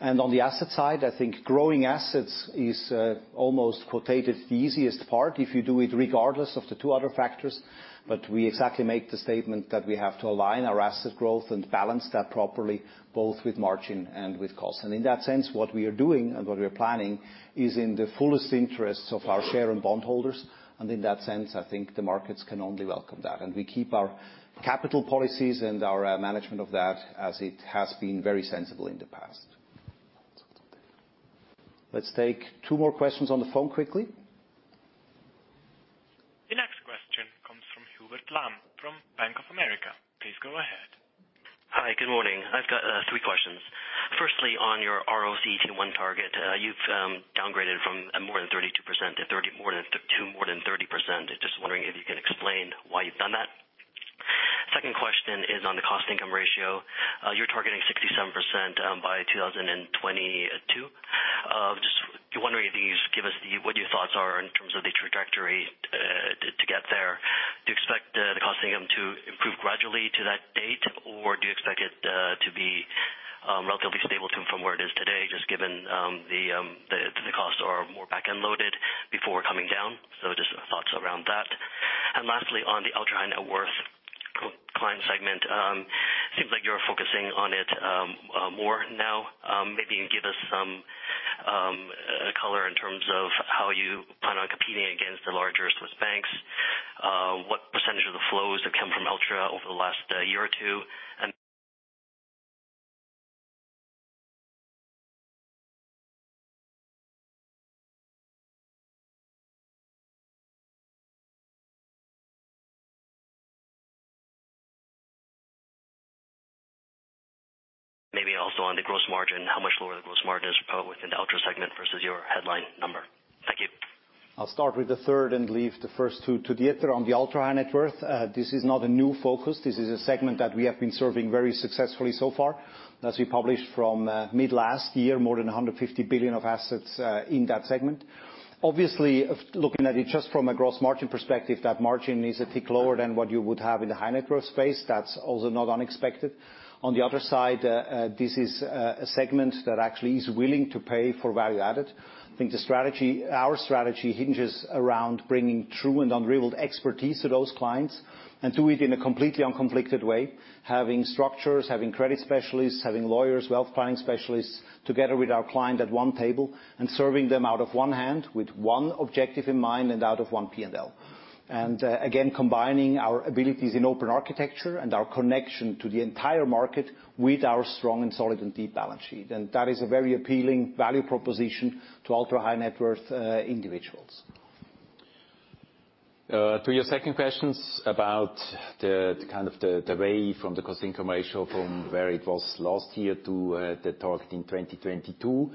On the asset side, I think growing assets is almost quoted the easiest part if you do it regardless of the two other factors. We exactly make the statement that we have to align our asset growth and balance that properly, both with margin and with cost. In that sense, what we are doing and what we are planning is in the fullest interests of our share and bondholders. In that sense, I think the markets can only welcome that. We keep our capital policies and our management of that as it has been very sensible in the past. Let's take two more questions on the phone quickly. The next question comes from Hubert Lam from Bank of America. Please go ahead. Hi. Good morning. I've got three questions. Firstly, on your RoCET1 target, you've downgraded from more than 32% to 30%, more than 30%. Just wondering if you can explain why you've done that. Second question is on the cost income ratio. You're targeting 67% by 2022. Just wondering if you could just give us the, what your thoughts are in terms of the trajectory to get there. Do you expect the cost income to improve gradually to that date, or do you expect it to be relatively stable to, from where it is today, just given the costs are more back-end loaded before coming down? Just thoughts around that. Lastly, on the ultra high-net-worth client segment, seems like you're focusing on it more now. Maybe you can give us some color in terms of how you plan on competing against the larger Swiss banks. What percentage of the flows have come from ultra over the last year or two? Maybe also on the gross margin, how much lower the gross margin is probably within the ultra segment versus your headline number. Thank you. I'll start with the third and leave the first two to Dieter. On the ultra high-net-worth, this is not a new focus. This is a segment that we have been serving very successfully so far. As we published from mid last year, more than 150 billion of assets in that segment. Obviously, looking at it just from a gross margin perspective, that margin is a tick lower than what you would have in the high-net-worth space. That's also not unexpected. On the other side, this is a segment that actually is willing to pay for value added. I think the strategy, our strategy hinges around bringing true and unrivaled expertise to those clients and do it in a completely unconflicted way, having structures, having credit specialists, having lawyers, wealth planning specialists, together with our client at one table and serving them out of one hand with one objective in mind and out of one P&L. Again, combining our abilities in open architecture and our connection to the entire market with our strong and solid and deep balance sheet. That is a very appealing value proposition to ultra high-net-worth individuals. To your second question about the kind of the way from the cost income ratio from where it was last year to the target in 2022.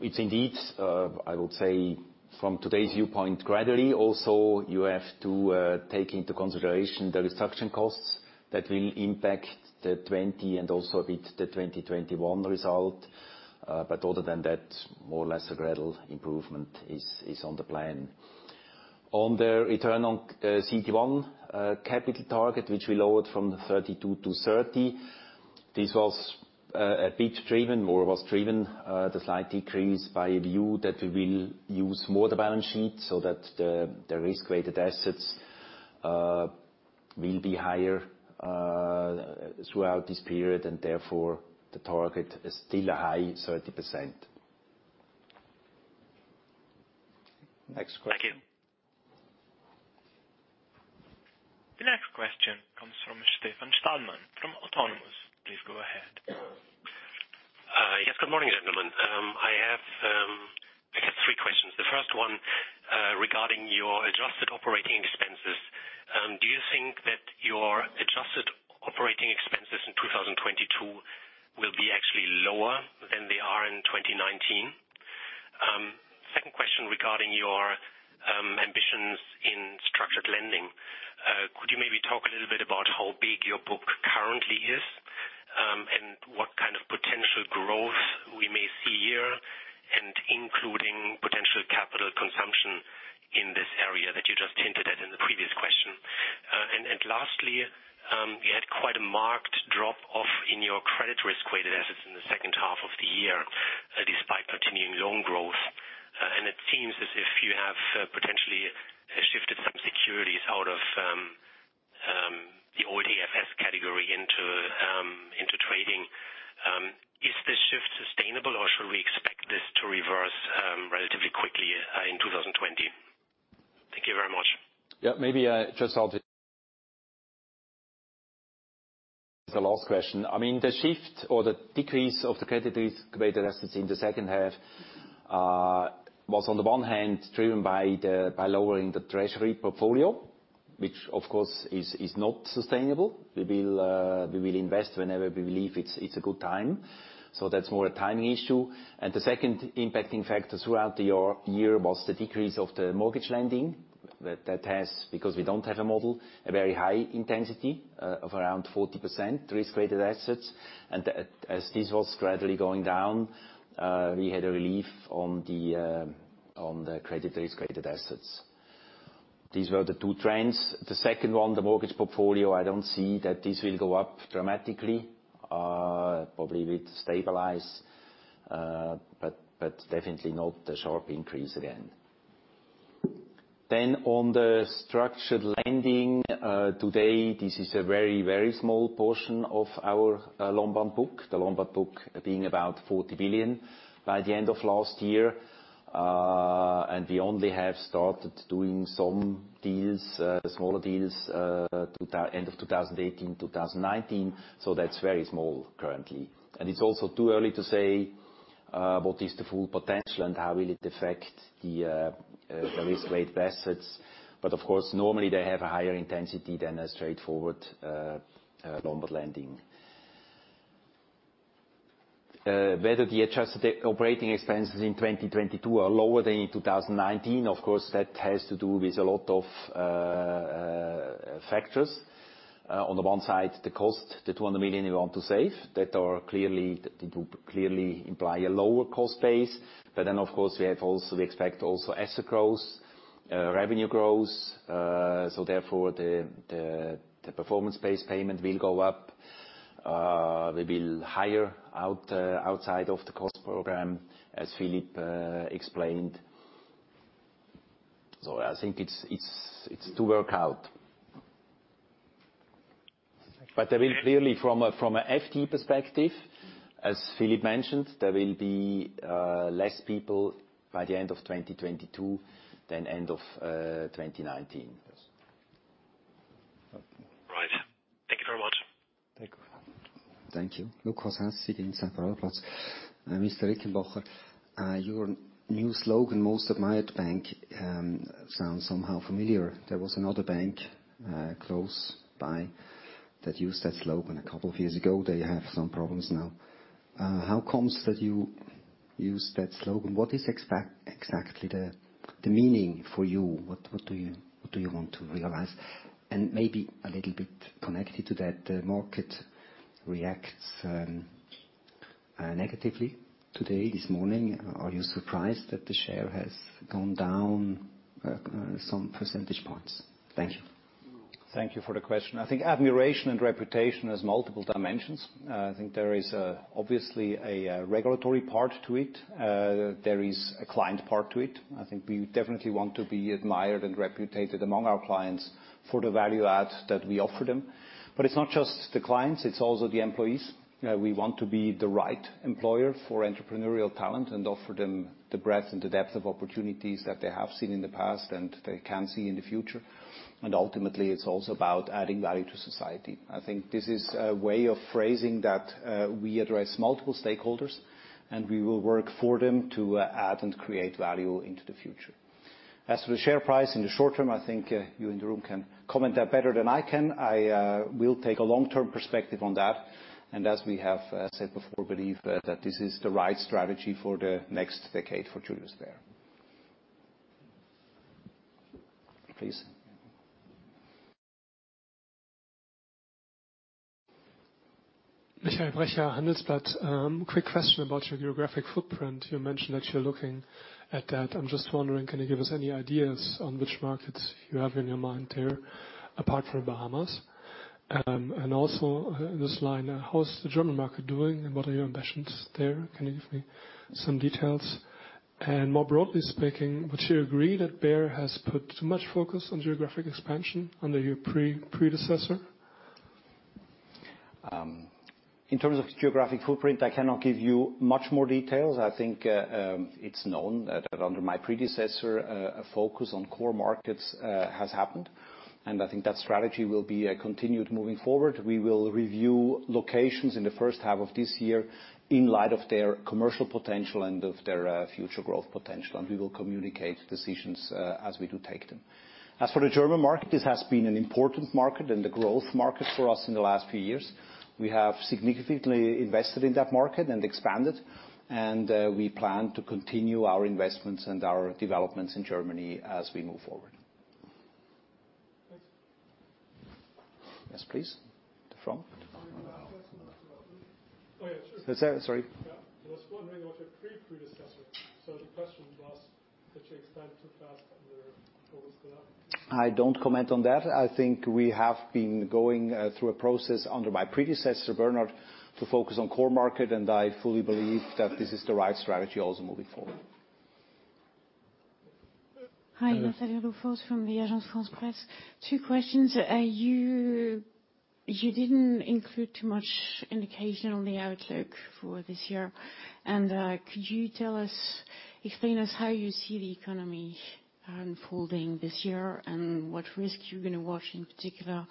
It's indeed, I would say from today's viewpoint, gradually also you have to take into consideration the reduction costs that will impact the 2020 and also a bit the 2021 result. Other than that, more or less a gradual improvement is on the plan. On the return on CET1 capital target, which we lowered from 32% to 30%. This was a bit driven, was driven the slight decrease by a view that we will use more the balance sheet so that the risk-weighted assets will be higher throughout this period, and therefore, the target is still a high 30%. Next question. Thank you. The next question comes from Stefan Stalmann from Autonomous. Please go ahead. Yes. Good morning, gentlemen. I have three questions. The first one, regarding your adjusted operating expenses. Do you think that your adjusted operating expenses in 2022 will be actually lower than they are in 2019? Second question regarding your ambitions in structured lending. Could you maybe talk a little bit about how big your book currently is, and what kind of potential growth we may see here, and including potential capital consumption in this area that you just hinted at in the previous question? Lastly, you had quite a marked drop-off in your credit risk-weighted assets in the second half of the year, despite continuing loan growth. It seems as if you have potentially shifted some securities out of the old AFS category into trading. Is this shift sustainable, or should we expect this to reverse, relatively quickly, in 2020? Thank you very much. Yeah, maybe, just I'll take the last question. I mean, the shift or the decrease of the credit risk-weighted assets in the second half was on the one hand, driven by lowering the treasury portfolio, which of course is not sustainable. We will invest whenever we believe it's a good time, that's more a timing issue. The second impacting factor throughout the year was the decrease of the mortgage lending. Because we don't have a model, a very high intensity of around 40% risk-weighted assets. As this was gradually going down, we had a relief on the credit risk-weighted assets. These were the two trends. The second one, the mortgage portfolio, I don't see that this will go up dramatically. Probably will stabilize, but definitely not a sharp increase again. On the structured lending, today this is a very, very small portion of our loan bond book. The Lombard book being about 40 billion by the end of last year. We only have started doing some deals, smaller deals, to the end of 2018, 2019, that's very small currently. It's also too early to say what is the full potential and how will it affect the risk-weighted assets. Of course, normally they have a higher intensity than a straightforward Lombard lending. Whether the adjusted operating expenses in 2022 are lower than in 2019, of course, that has to do with a lot of factors. On the one side, the cost, the 200 million we want to save, it will clearly imply a lower cost base. Of course, we expect also asset growth, revenue growth. Therefore, the, the performance-based payment will go up. We will hire outside of the cost program, as Philipp explained. I think it's, it's to work out. There will clearly, from a, from a FTE perspective, as Philipp mentioned, there will be less people by the end of 2022 than end of 2019. Yes. Right. Thank you very much. Thank you. Thank you. Lukas Haas, DZ Bank, Central Europe. Mr. Rickenbacher, your new slogan, most admired bank, sounds somehow familiar. There was another bank close by that used that slogan a couple of years ago. They have some problems now. How comes that you use that slogan? What is exactly the meaning for you? What do you want to realize? Maybe a little bit connected to that, the market reacts negatively today, this morning. Are you surprised that the share has gone down some percentage points? Thank you. Thank you for the question. I think admiration and reputation has multiple dimensions. I think there is obviously a regulatory part to it. There is a client part to it. I think we definitely want to be admired and reputated among our clients for the value add that we offer them. But it's not just the clients, it's also the employees. You know, we want to be the right employer for entrepreneurial talent and offer them the breadth and the depth of opportunities that they have seen in the past and they can see in the future. Ultimately, it's also about adding value to society. I think this is a way of phrasing that, we address multiple stakeholders, and we will work for them to add and create value into the future. As for the share price in the short term, I think, you in the room can comment that better than I can. I will take a long-term perspective on that. As we have said before, believe that this is the right strategy for the next decade for Julius Baer. Please. Michael Bracher, Handelsblatt. Quick question about your geographic footprint. You mentioned that you're looking at that. I'm just wondering, can you give us any ideas on which markets you have in your mind there, apart from Bahamas? Also in this line, how is the German market doing, and what are your ambitions there? Can you give me some details? More broadly speaking, would you agree that Bär has put too much focus on geographic expansion under your pre-predecessor? In terms of geographic footprint, I cannot give you much more details. I think it's known that under my predecessor, a focus on core markets has happened, and I think that strategy will be continued moving forward. We will review locations in the first half of this year in light of their commercial potential and of their future growth potential, and we will communicate decisions as we do take them. As for the German market, this has been an important market and a growth market for us in the last few years. We have significantly invested in that market and expanded, and we plan to continue our investments and our developments in Germany as we move forward. Thanks. Yes, please. The front. Oh, yeah, sure. Sorry? Yeah. I was wondering about your pre-predecessor. The question was, did you expand too fast under his leadership? I don't comment on that. I think we have been going through a process under my predecessor, Bernard, to focus on core market. I fully believe that this is the right strategy also moving forward. Hi. Hello. Nathalie Olof-Ors from the Agence France-Presse. Two questions. You didn't include too much indication on the outlook for this year. Could you tell us, explain us how you see the economy unfolding this year and what risk you're going to watch in particular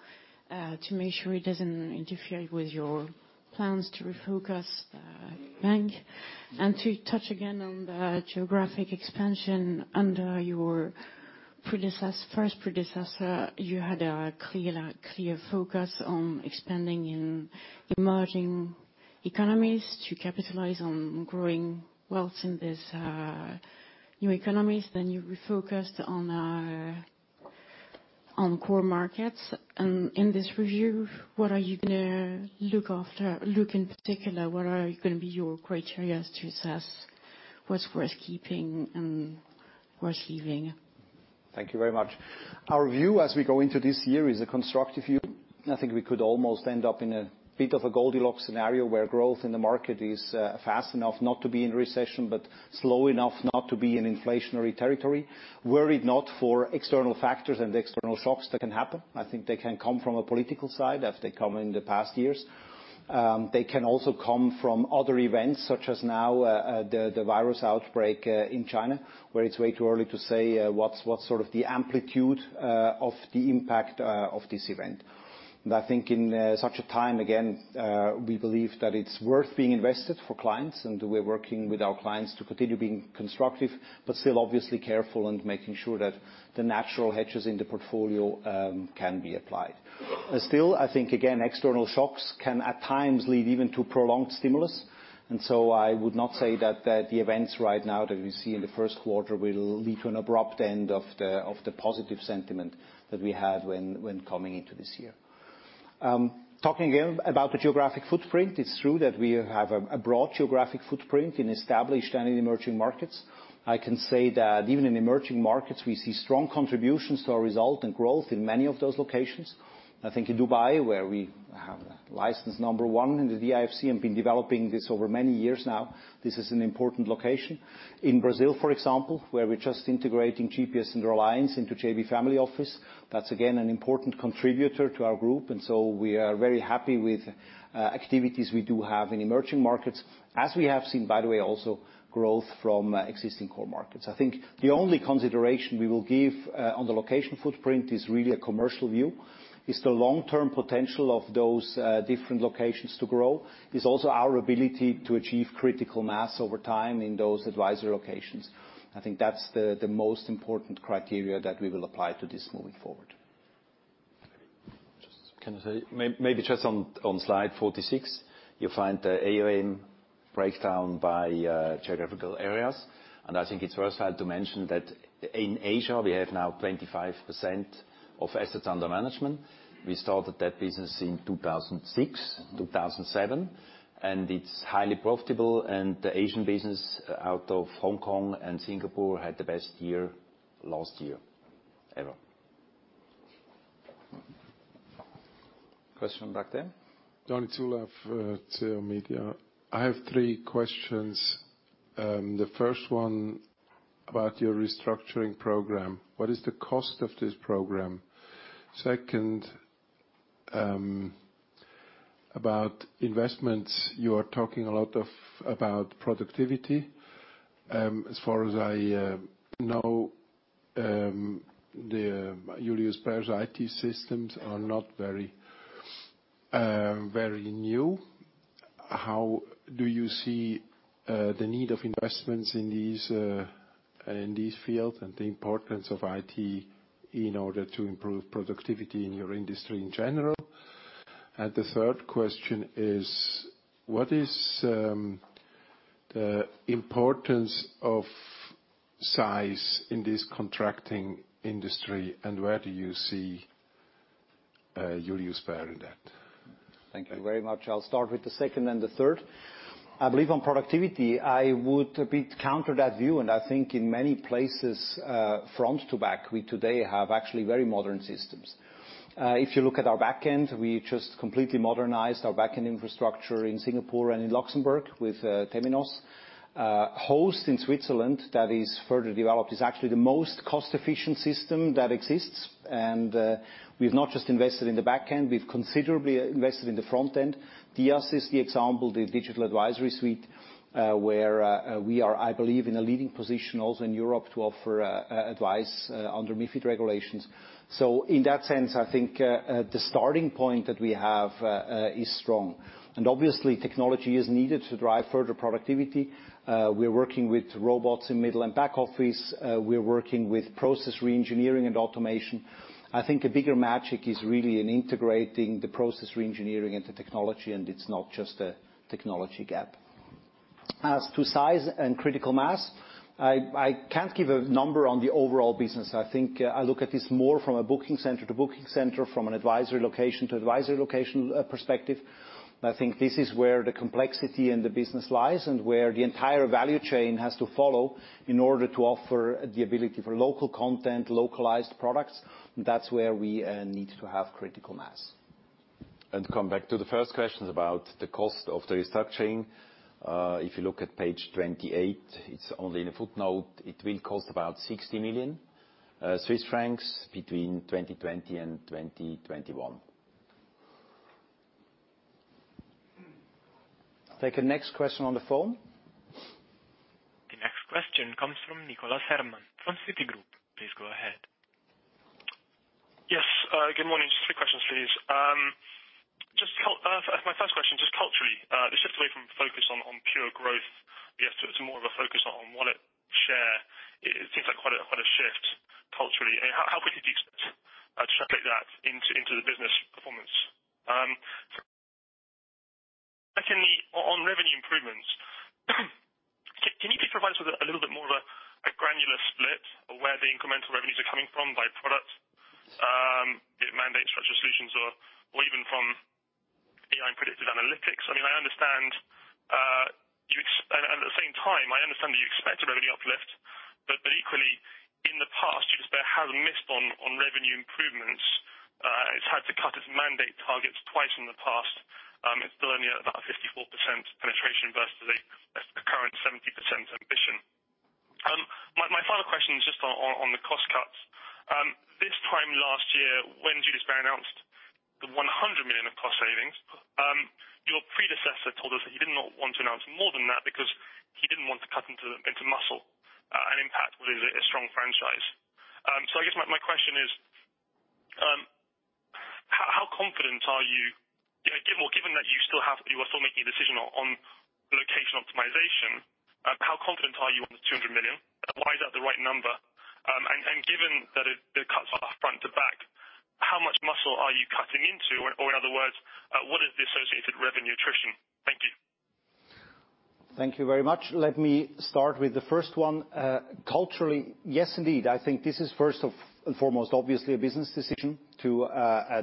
to make sure it doesn't interfere with your plans to refocus the bank? To touch again on the geographic expansion under your predecessor, you had a clear focus on expanding in emerging economies to capitalize on growing wealth in these new economies. You refocused on core markets. In this review, what are you going to look after, look in particular? What are going to be your criteria to assess what's worth keeping and worth leaving? Thank you very much. Our view as we go into this year is a constructive view. I think we could almost end up in a bit of a Goldilocks scenario where growth in the market is fast enough not to be in recession, but slow enough not to be in inflationary territory. Worried not for external factors and external shocks that can happen. I think they can come from a political side, as they come in the past years. They can also come from other events, such as now, the virus outbreak in China, where it's way too early to say what's sort of the amplitude of the impact of this event. I think in such a time, again, we believe that it's worth being invested for clients, and we're working with our clients to continue being constructive, but still obviously careful and making sure that the natural hedges in the portfolio can be applied. Still, I think, again, external shocks can at times lead even to prolonged stimulus. I would not say that the events right now that we see in the first quarter will lead to an abrupt end of the positive sentiment that we had when coming into this year. Talking again about the geographic footprint, it's true that we have a broad geographic footprint in established and in emerging markets. I can say that even in emerging markets, we see strong contributions to our result and growth in many of those locations. I think in Dubai, where we have license number one in the DIFC and been developing this over many years now, this is an important location. In Brazil, for example, where we're just integrating GPS and Reliance into JB Family Office. That's again, an important contributor to our group. We are very happy with activities we do have in emerging markets, as we have seen, by the way, also growth from existing core markets. I think the only consideration we will give on the location footprint is really a commercial view. It's the long-term potential of those different locations to grow. It's also our ability to achieve critical mass over time in those advisor locations. I think that's the most important criteria that we will apply to this moving forward. Can I say, maybe just on slide 46, you'll find the AUM breakdown by geographical areas. I think it's worthwhile to mention that in Asia, we have now 25% of assets under management. We started that business in 2006, 2007, and it's highly profitable. The Asian business out of Hong Kong and Singapore had the best year last year ever. Question back there. [Johnny Tulaf], TEO Media. I have three questions. The first one about your restructuring program. What is the cost of this program? Second. About investments, you are talking about productivity. As far as I know, the Julius Baer's IT systems are not very new. How do you see the need of investments in these in this field and the importance of IT in order to improve productivity in your industry in general? The third question is, what is the importance of size in this contracting industry, and where do you see Julius Baer in that? Thank you very much. I'll start with the second and the third. I believe on productivity, I would a bit counter that view. I think in many places, front to back, we today have actually very modern systems. If you look at our back end, we just completely modernized our back-end infrastructure in Singapore and in Luxembourg with Temenos. Host in Switzerland that is further developed is actually the most cost-efficient system that exists. We've not just invested in the back end, we've considerably invested in the front end. DiAS is the example, the Digital Advisory Suite, where we are, I believe, in a leading position also in Europe to offer advice under MiFID regulations. In that sense, I think the starting point that we have is strong. Obviously, technology is needed to drive further productivity. We're working with robots in middle and back office. We're working with process reengineering and automation. I think a bigger magic is really in integrating the process reengineering into technology, and it's not just a technology gap. As to size and critical mass, I can't give a number on the overall business. I think I look at this more from a booking center to booking center, from an advisory location to advisory location, perspective. I think this is where the complexity in the business lies and where the entire value chain has to follow in order to offer the ability for local content, localized products. That's where we need to have critical mass. To come back to the first question about the cost of the restructuring. If you look at page 28, it's only in a footnote. It will cost about 60 million Swiss francs between 2020 and 2021. Take a next question on the phone. The next question comes from Nicholas Herman from Citigroup. Please go ahead. Yes, good morning. Just three questions, please. My first question, just culturally, the shift away from focus on pure growth. Yes, to more of a focus on wallet share. It seems like quite a shift culturally. How quickly do you expect to circulate that into the business performance? Secondly, on revenue improvements, can you just provide us with a little bit more of a granular split of where the incremental revenues are coming from by product? Be it mandate structure solutions or even from AI and predictive analytics. I mean, I understand, at the same time, I understand that you expect a revenue uplift. Equally, in the past, Julius Baer has missed on revenue improvements. It's had to cut its mandate targets twice in the past. It's still only at about 54% penetration versus the current 70% ambition. My final question is just on the cost cuts. This time last year, when Julius Baer announced the 100 million of cost savings, your predecessor told us that he did not want to announce more than that because he didn't want to cut into muscle and impact what is a strong franchise. I guess my question is, how confident are you? Given that you are still making a decision on location optimization, how confident are you on the 200 million? Why is that the right number? Given that it cuts off front to back, how much muscle are you cutting into? In other words, what is the associated revenue attrition? Thank you. Thank you very much. Let me start with the first one. Culturally, yes, indeed. I think this is first and foremost, obviously, a business decision to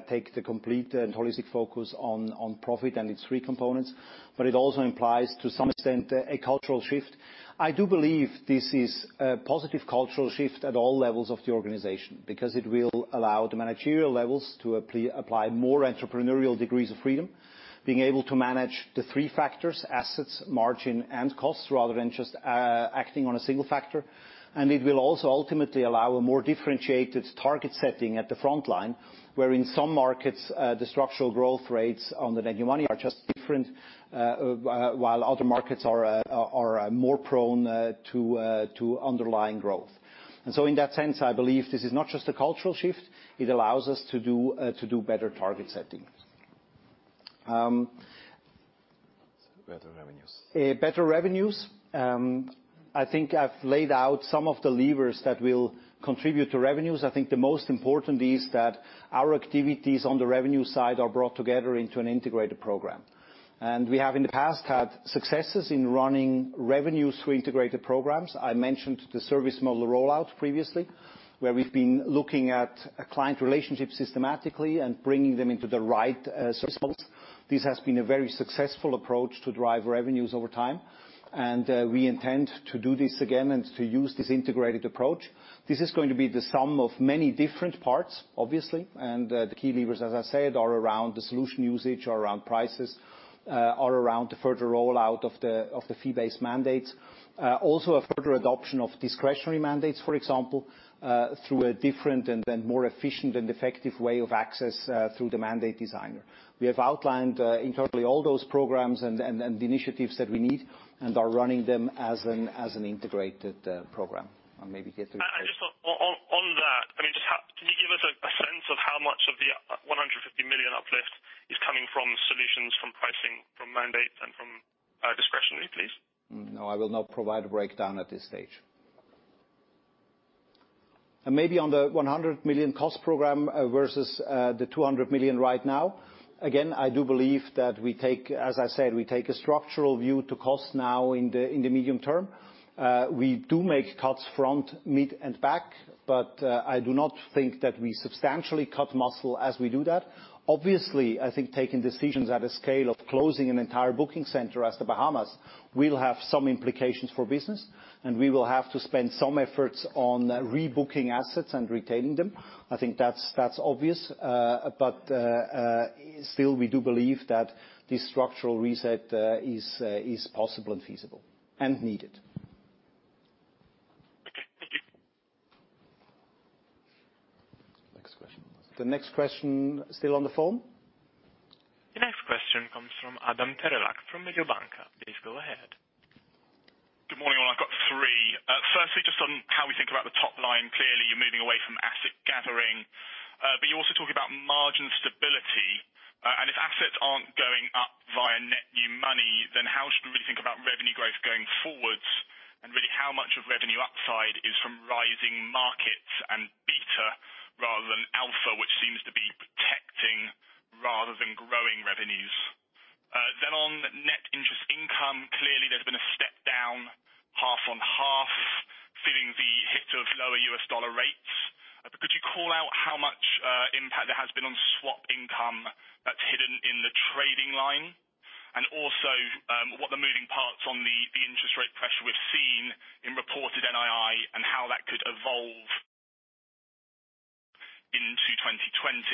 take the complete and holistic focus on profit and its three components. It also implies, to some extent, a cultural shift. I do believe this is a positive cultural shift at all levels of the organization because it will allow the managerial levels to apply more entrepreneurial degrees of freedom. Being able to manage the three factors: assets, margin, and costs, rather than just acting on a single factor. It will also ultimately allow a more differentiated target setting at the front line, where in some markets, the structural growth rates on the lending money are just different, while other markets are more prone to underlying growth. In that sense, I believe this is not just a cultural shift. It allows us to do better target setting. Better revenues. Better revenues. I think I've laid out some of the levers that will contribute to revenues. I think the most important is that our activities on the revenue side are brought together into an integrated program. We have in the past had successes in running revenue through integrated programs. I mentioned the service model rollout previously, where we've been looking at a client relationship systematically and bringing them into the right service model. This has been a very successful approach to drive revenues over time, and we intend to do this again and to use this integrated approach. This is going to be the sum of many different parts, obviously, and the key levers, as I said, are around the solution usage, are around prices, are around to further roll out of the fee-based mandates. Also a further adoption of discretionary mandates, for example, through a different and then more efficient and effective way of access, through the Mandate Designer. We have outlined internally all those programs and the initiatives that we need and are running them as an integrated program. I just thought on that, I mean, just how Can you give us a sense of how much of the 150 million uplift is coming from solutions, from pricing, from mandate and from discretionary, please? No, I will not provide a breakdown at this stage. Maybe on the 100 million cost program versus the 200 million right now, again, as I said, we take a structural view to cost now in the medium term. We do make cuts front, mid, and back, but I do not think that we substantially cut muscle as we do that. Obviously, I think taking decisions at a scale of closing an entire booking center as the Bahamas will have some implications for business, and we will have to spend some efforts on rebooking assets and retaining them. I think that's obvious. Still, we do believe that the structural reset is possible and feasible and needed. Okay, thank you. Next question. The next question still on the phone? The next question comes from Adam Terelak from Mediobanca. Please go ahead. Good morning, all. I've got three. Firstly, just on how we think about the top line. Clearly, you're moving away from asset gathering, but you're also talking about margin stability. If assets aren't going up via net new money, then how should we really think about revenue growth going forwards? Really how much of revenue upside is from rising markets and beta rather than alpha, which seems to be protecting rather than growing revenues? On net interest income, clearly there's been a step down half on half, feeling the hit of lower U.S. dollar rates. Could you call out how much impact there has been on swap income that's hidden in the trading line? What are the moving parts on the interest rate pressure we've seen in reported NII and how that could evolve into 2020?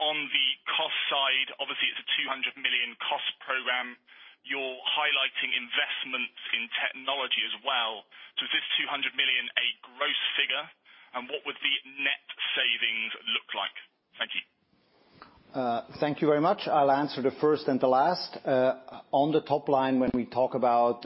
On the cost side, obviously, it's a 200 million cost program. You're highlighting investments in technology as well. Is this 200 million a gross figure? What would the net savings look like? Thank you. Thank you very much. I'll answer the first and the last. On the top line, when we talk about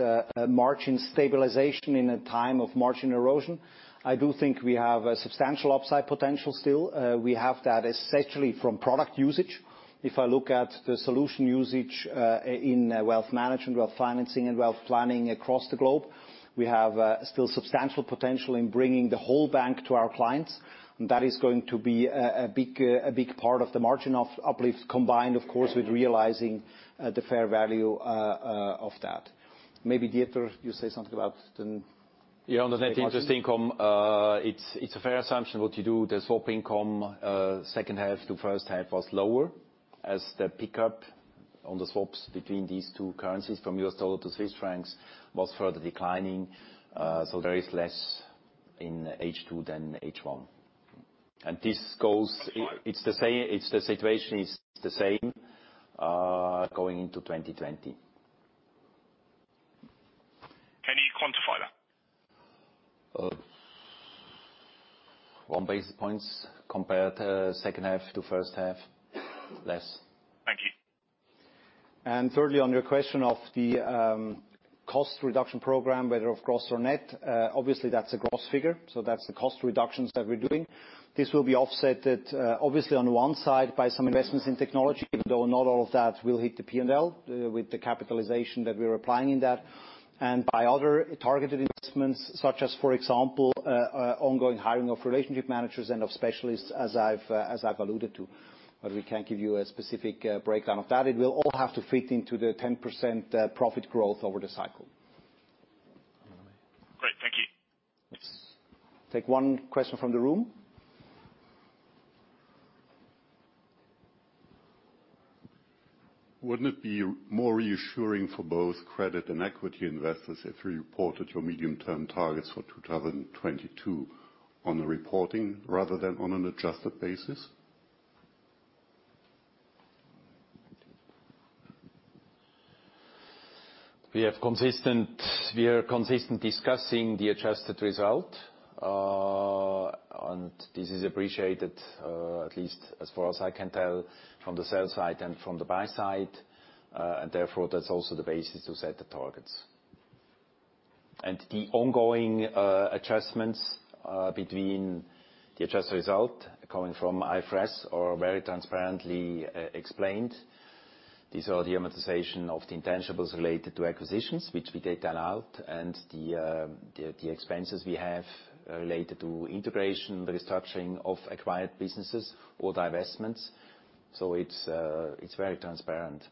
margin stabilization in a time of margin erosion, I do think we have a substantial upside potential still. We have that essentially from product usage. If I look at the solution usage in wealth management, wealth financing, and wealth planning across the globe, we have still substantial potential in bringing the whole bank to our clients. That is going to be a big part of the margin uplift, combined, of course, with realizing the fair value of that. Maybe, Dieter, you say something about. Yeah, on the net interest income, it's a fair assumption what you do. The swap income, second half to first half was lower as the pickup on the swaps between these two currencies from U.S. dollar to Swiss francs was further declining. There is less in H2 than H1. Can you quantify it? It's the situation is the same, going into 2020. Can you quantify that? 1 basis points compared, second half to first half, less. Thank you. Thirdly, on your question of the cost reduction program, whether of gross or net, obviously that's a gross figure. That's the cost reductions that we're doing. This will be offset at obviously on one side by some investments in technology, even though not all of that will hit the P&L with the capitalization that we're applying in that. By other targeted investments, such as, for example, ongoing hiring of relationship managers and of specialists, as I've alluded to. We can't give you a specific breakdown of that. It will all have to fit into the 10% profit growth over the cycle. Great. Thank you. Yes. Take one question from the room. Wouldn't it be more reassuring for both credit and equity investors if you reported your medium-term targets for 2022 on the reporting rather than on an adjusted basis? We are consistent discussing the adjusted result. This is appreciated, at least as far as I can tell from the sell side and from the buy side. Therefore that's also the basis to set the targets. The ongoing adjustments between the adjusted result coming from IFRS are very transparently explained. These are the amortization of the intangibles related to acquisitions, which we take that out, and the expenses we have related to integration, the restructuring of acquired businesses or divestments. It's very transparent,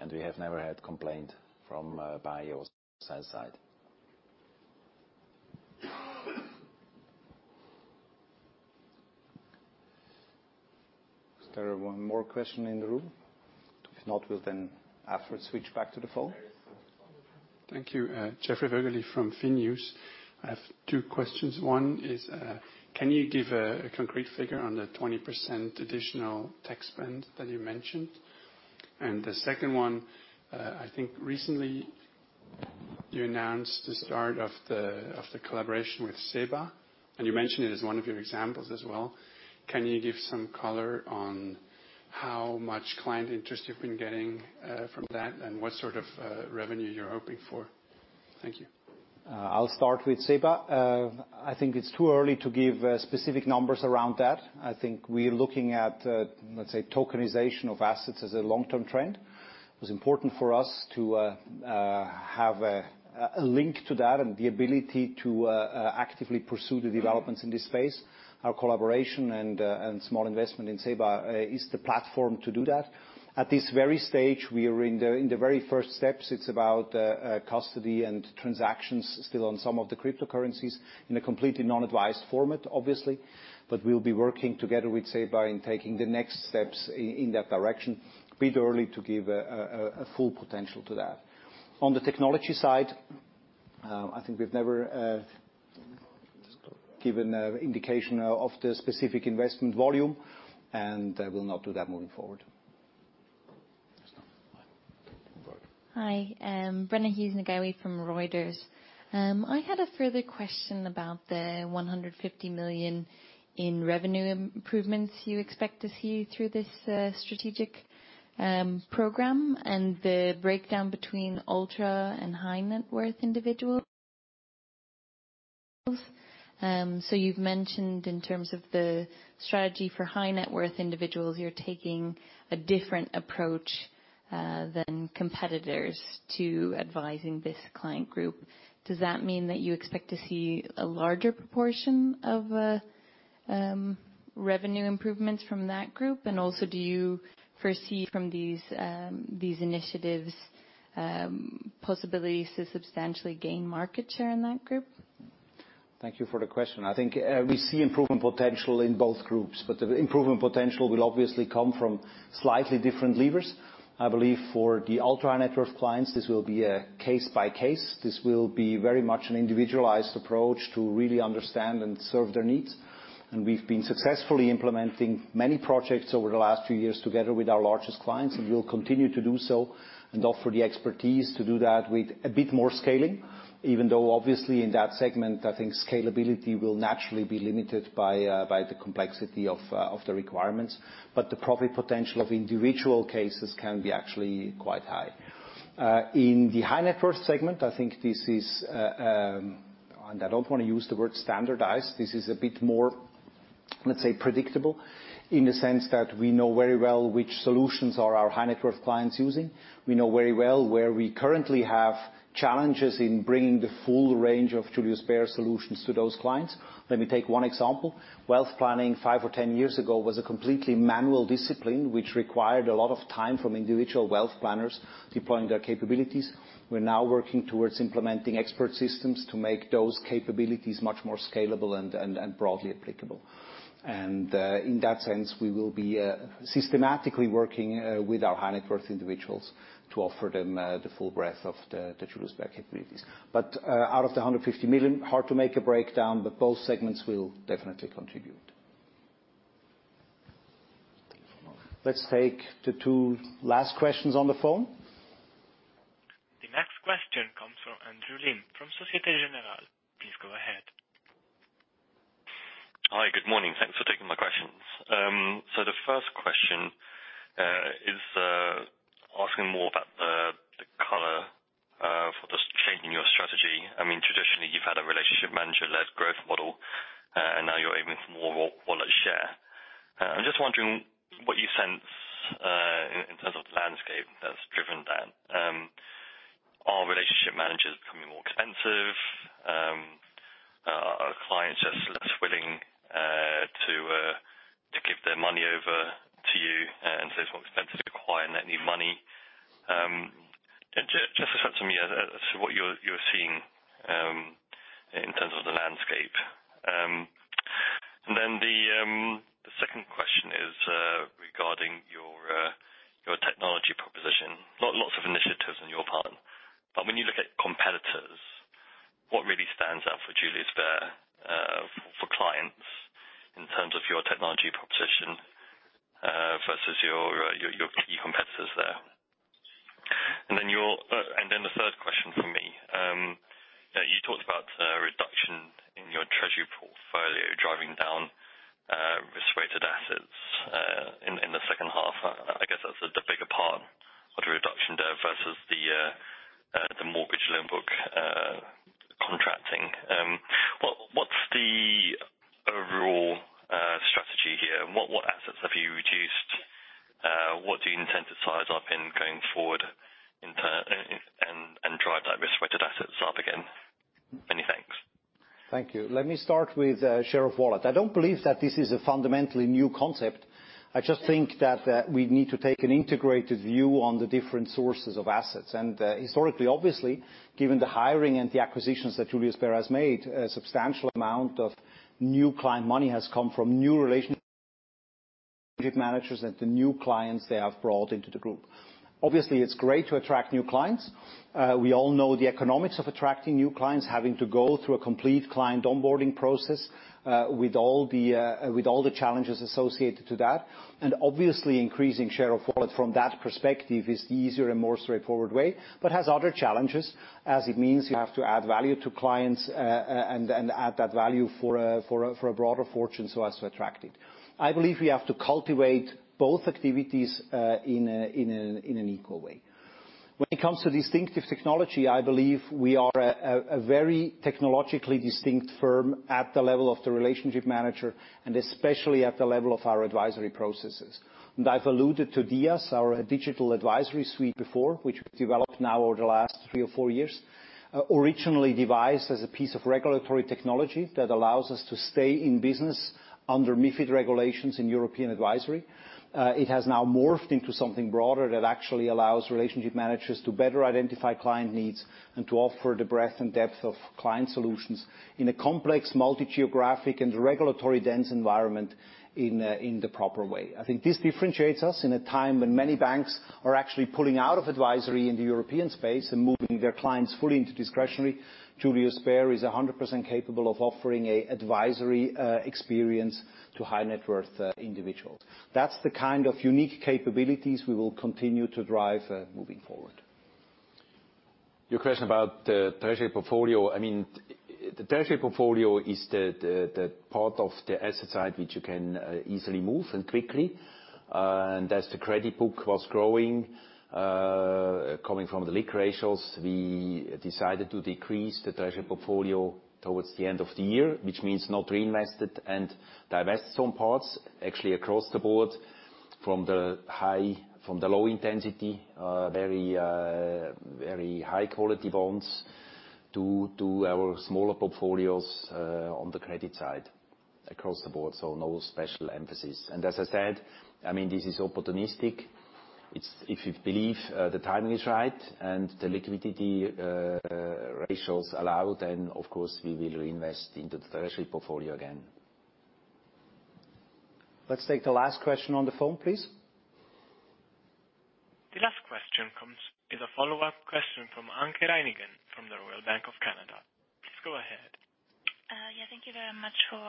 and we have never had complaint from buy or sell side. Is there one more question in the room? If not, we'll then afterwards switch back to the phone. Thank you. Jeffrey Berger from finews. I have two questions. One is, can you give a concrete figure on the 20% additional tax spend that you mentioned? The second one, I think recently you announced the start of the collaboration with SEBA, and you mentioned it as one of your examples as well. Can you give some color on how much client interest you've been getting from that and what sort of revenue you're hoping for? Thank you. I'll start with SEBA. I think it's too early to give specific numbers around that. I think we're looking at, let's say tokenization of assets as a long-term trend. It was important for us to have a link to that and the ability to actively pursue the developments in this space. Our collaboration and small investment in SEBA is the platform to do that. At this very stage, we are in the very first steps. It's about custody and transactions still on some of the cryptocurrencies in a completely non-advised format, obviously. We'll be working together with SEBA in taking the next steps in that direction. Bit early to give a full potential to that. On the technology side, I think we've never given a indication of the specific investment volume, and I will not do that moving forward. Hi. Brenna Hughes Neghaiwi from Reuters. I had a further question about the 150 million in revenue improvements you expect to see through this strategic program and the breakdown between ultra and high net worth individuals. You've mentioned in terms of the strategy for high net worth individuals, you're taking a different approach than competitors to advising this client group. Does that mean that you expect to see a larger proportion of revenue improvements from that group? Do you foresee from these initiatives possibilities to substantially gain market share in that group? Thank you for the question. I think we see improvement potential in both groups, but the improvement potential will obviously come from slightly different levers. I believe for the ultra net worth clients, this will be a case by case. This will be very much an individualized approach to really understand and serve their needs. We've been successfully implementing many projects over the last few years together with our largest clients, and we'll continue to do so and offer the expertise to do that with a bit more scaling. Even though obviously in that segment, I think scalability will naturally be limited by the complexity of the requirements. The profit potential of individual cases can be actually quite high. In the high net worth segment, I think this is I don't wanna use the word standardized. This is a bit more, let's say, predictable in the sense that we know very well which solutions are our high net worth clients using. We know very well where we currently have challenges in bringing the full range of Julius Baer solutions to those clients. Let me take one example. Wealth planning five or 10 years ago was a completely manual discipline, which required a lot of time from individual wealth planners deploying their capabilities. We're now working towards implementing expert systems to make those capabilities much more scalable and broadly applicable. In that sense, we will be systematically working with our high net worth individuals to offer them the full breadth of the Julius Baer capabilities. Out of the 150 million, hard to make a breakdown, but both segments will definitely contribute. Let's take the two last questions on the phone. The next question comes from Andrew Lim from Societe Generale. Please go ahead. Hi. Good morning. Thanks for taking my questions. The first question is asking more about the color for the change in your strategy. I mean, traditionally, you've had a relationship manager-led growth model, and now you're aiming for more wallet share. I'm just wondering what you sense in terms of the landscape that's driven that. Are relationship managers becoming more expensive? Are clients just less willing to give their money over to you and so it's more expensive to acquire net new money? Just a sense from you as to what you're seeing in terms of the landscape. The second question is regarding your technology proposition. Lots of initiatives on your part, when you look at competitors, what really stands out for Julius Baer, for clients in terms of your technology proposition, versus your key competitors there? Your, and then the third question from me. You talked about reduction in your treasury portfolio driving down risk-weighted assets in the second half. I guess that's the bigger part of the reduction there versus the mortgage loan book contracting. What's the overall strategy here? What assets have you reduced? What do you intend to size up in going forward in term and drive that risk-weighted assets up again? Many thanks. Thank you. Let me start with share of wallet. I don't believe that this is a fundamentally new concept. I just think that we need to take an integrated view on the different sources of assets. Historically, obviously, given the hiring and the acquisitions that Julius Baer has made, a substantial amount of new client money has come from new relationship managers and the new clients they have brought into the group. Obviously, it's great to attract new clients. We all know the economics of attracting new clients, having to go through a complete client onboarding process, with all the challenges associated to that. Obviously, increasing share of wallet from that perspective is the easier and more straightforward way, but has other challenges, as it means you have to add value to clients and add that value for a broader fortune so as to attract it. I believe we have to cultivate both activities in an equal way. When it comes to distinctive technology, I believe we are a very technologically distinct firm at the level of the relationship manager, and especially at the level of our advisory processes. I've alluded to DiAS, our Digital Advisory Suite before, which we've developed now over the last three or four years. Originally devised as a piece of regulatory technology that allows us to stay in business under MiFID regulations in European advisory. It has now morphed into something broader that actually allows relationship managers to better identify client needs and to offer the breadth and depth of client solutions in a complex multi-geographic and regulatory dense environment in the proper way. I think this differentiates us in a time when many banks are actually pulling out of advisory in the European space and moving their clients fully into discretionary. Julius Baer is 100% capable of offering a advisory experience to high net worth individuals. That's the kind of unique capabilities we will continue to drive moving forward. Your question about the treasury portfolio. I mean, the treasury portfolio is the part of the asset side which you can easily move and quickly. As the credit book was growing, coming from the liquidity ratios, we decided to decrease the treasury portfolio towards the end of the year, which means not reinvest it and divest some parts actually across the board from the low intensity, very high quality bonds to our smaller portfolios on the credit side across the board. No special emphasis. As I said, I mean, this is opportunistic. If you believe the timing is right and the liquidity ratios allow, then of course we will reinvest into the treasury portfolio again. Let's take the last question on the phone, please. The last question comes is a follow-up question from Anke Reingen from the Royal Bank of Canada. Please go ahead. Yeah. Thank you very much for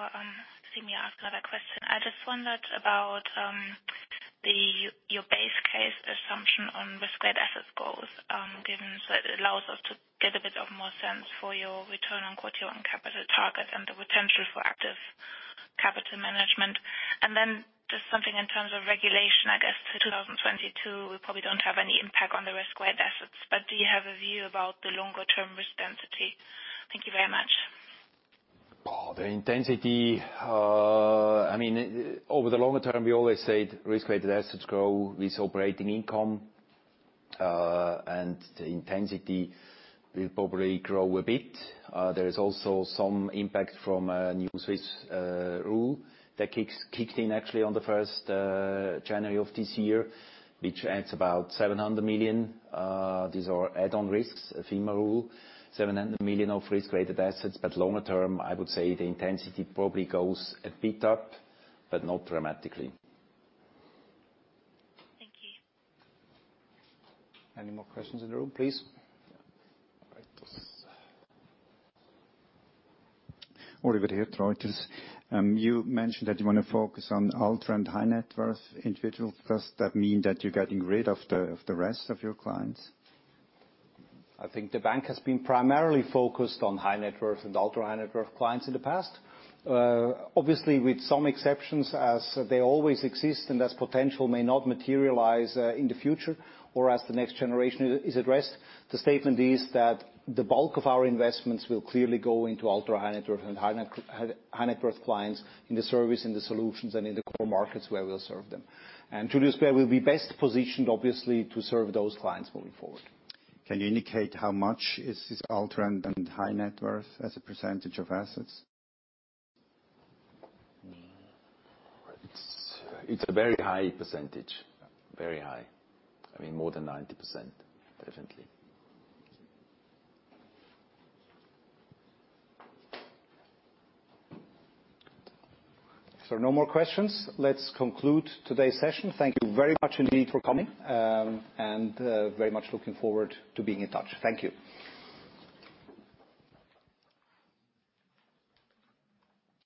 seeing me ask another question. I just wondered about your base case assumption on risk-weighted assets goals, so it allows us to get a bit of more sense for your return on capital and capital target and the potential for active capital management. Then just something in terms of regulation. I guess to 2022, we probably don't have any impact on the risk-weighted assets. Do you have a view about the longer term risk density? Thank you very much. The intensity, I mean, over the longer term, we always said risk-weighted assets grow with operating income, and the intensity will probably grow a bit. There is also some impact from a new Swiss rule that kicked in actually on the first January of this year, which adds about 700 million. These are add-on risks, a FINMA rule, 700 million of risk-weighted assets. Longer term, I would say the intensity probably goes a bit up, but not dramatically. Thank you. Any more questions in the room, please? Yeah. All right. Oliver Hirt, Reuters. You mentioned that you wanna focus on ultra and high net worth individuals. Does that mean that you're getting rid of the rest of your clients? I think the bank has been primarily focused on high net worth and ultra high net worth clients in the past. Obviously, with some exceptions, as they always exist and as potential may not materialize in the future or as the next generation is addressed. The statement is that the bulk of our investments will clearly go into ultra high net worth and high net worth clients in the service and the solutions and in the core markets where we'll serve them. Julius Baer will be best positioned, obviously, to serve those clients moving forward. Can you indicate how much is this ultra and high net worth as a percentage of assets? It's a very high percentage. Very high. I mean, more than 90%, definitely. If there are no more questions, let's conclude today's session. Thank you very much indeed for coming, and very much looking forward to being in touch. Thank you.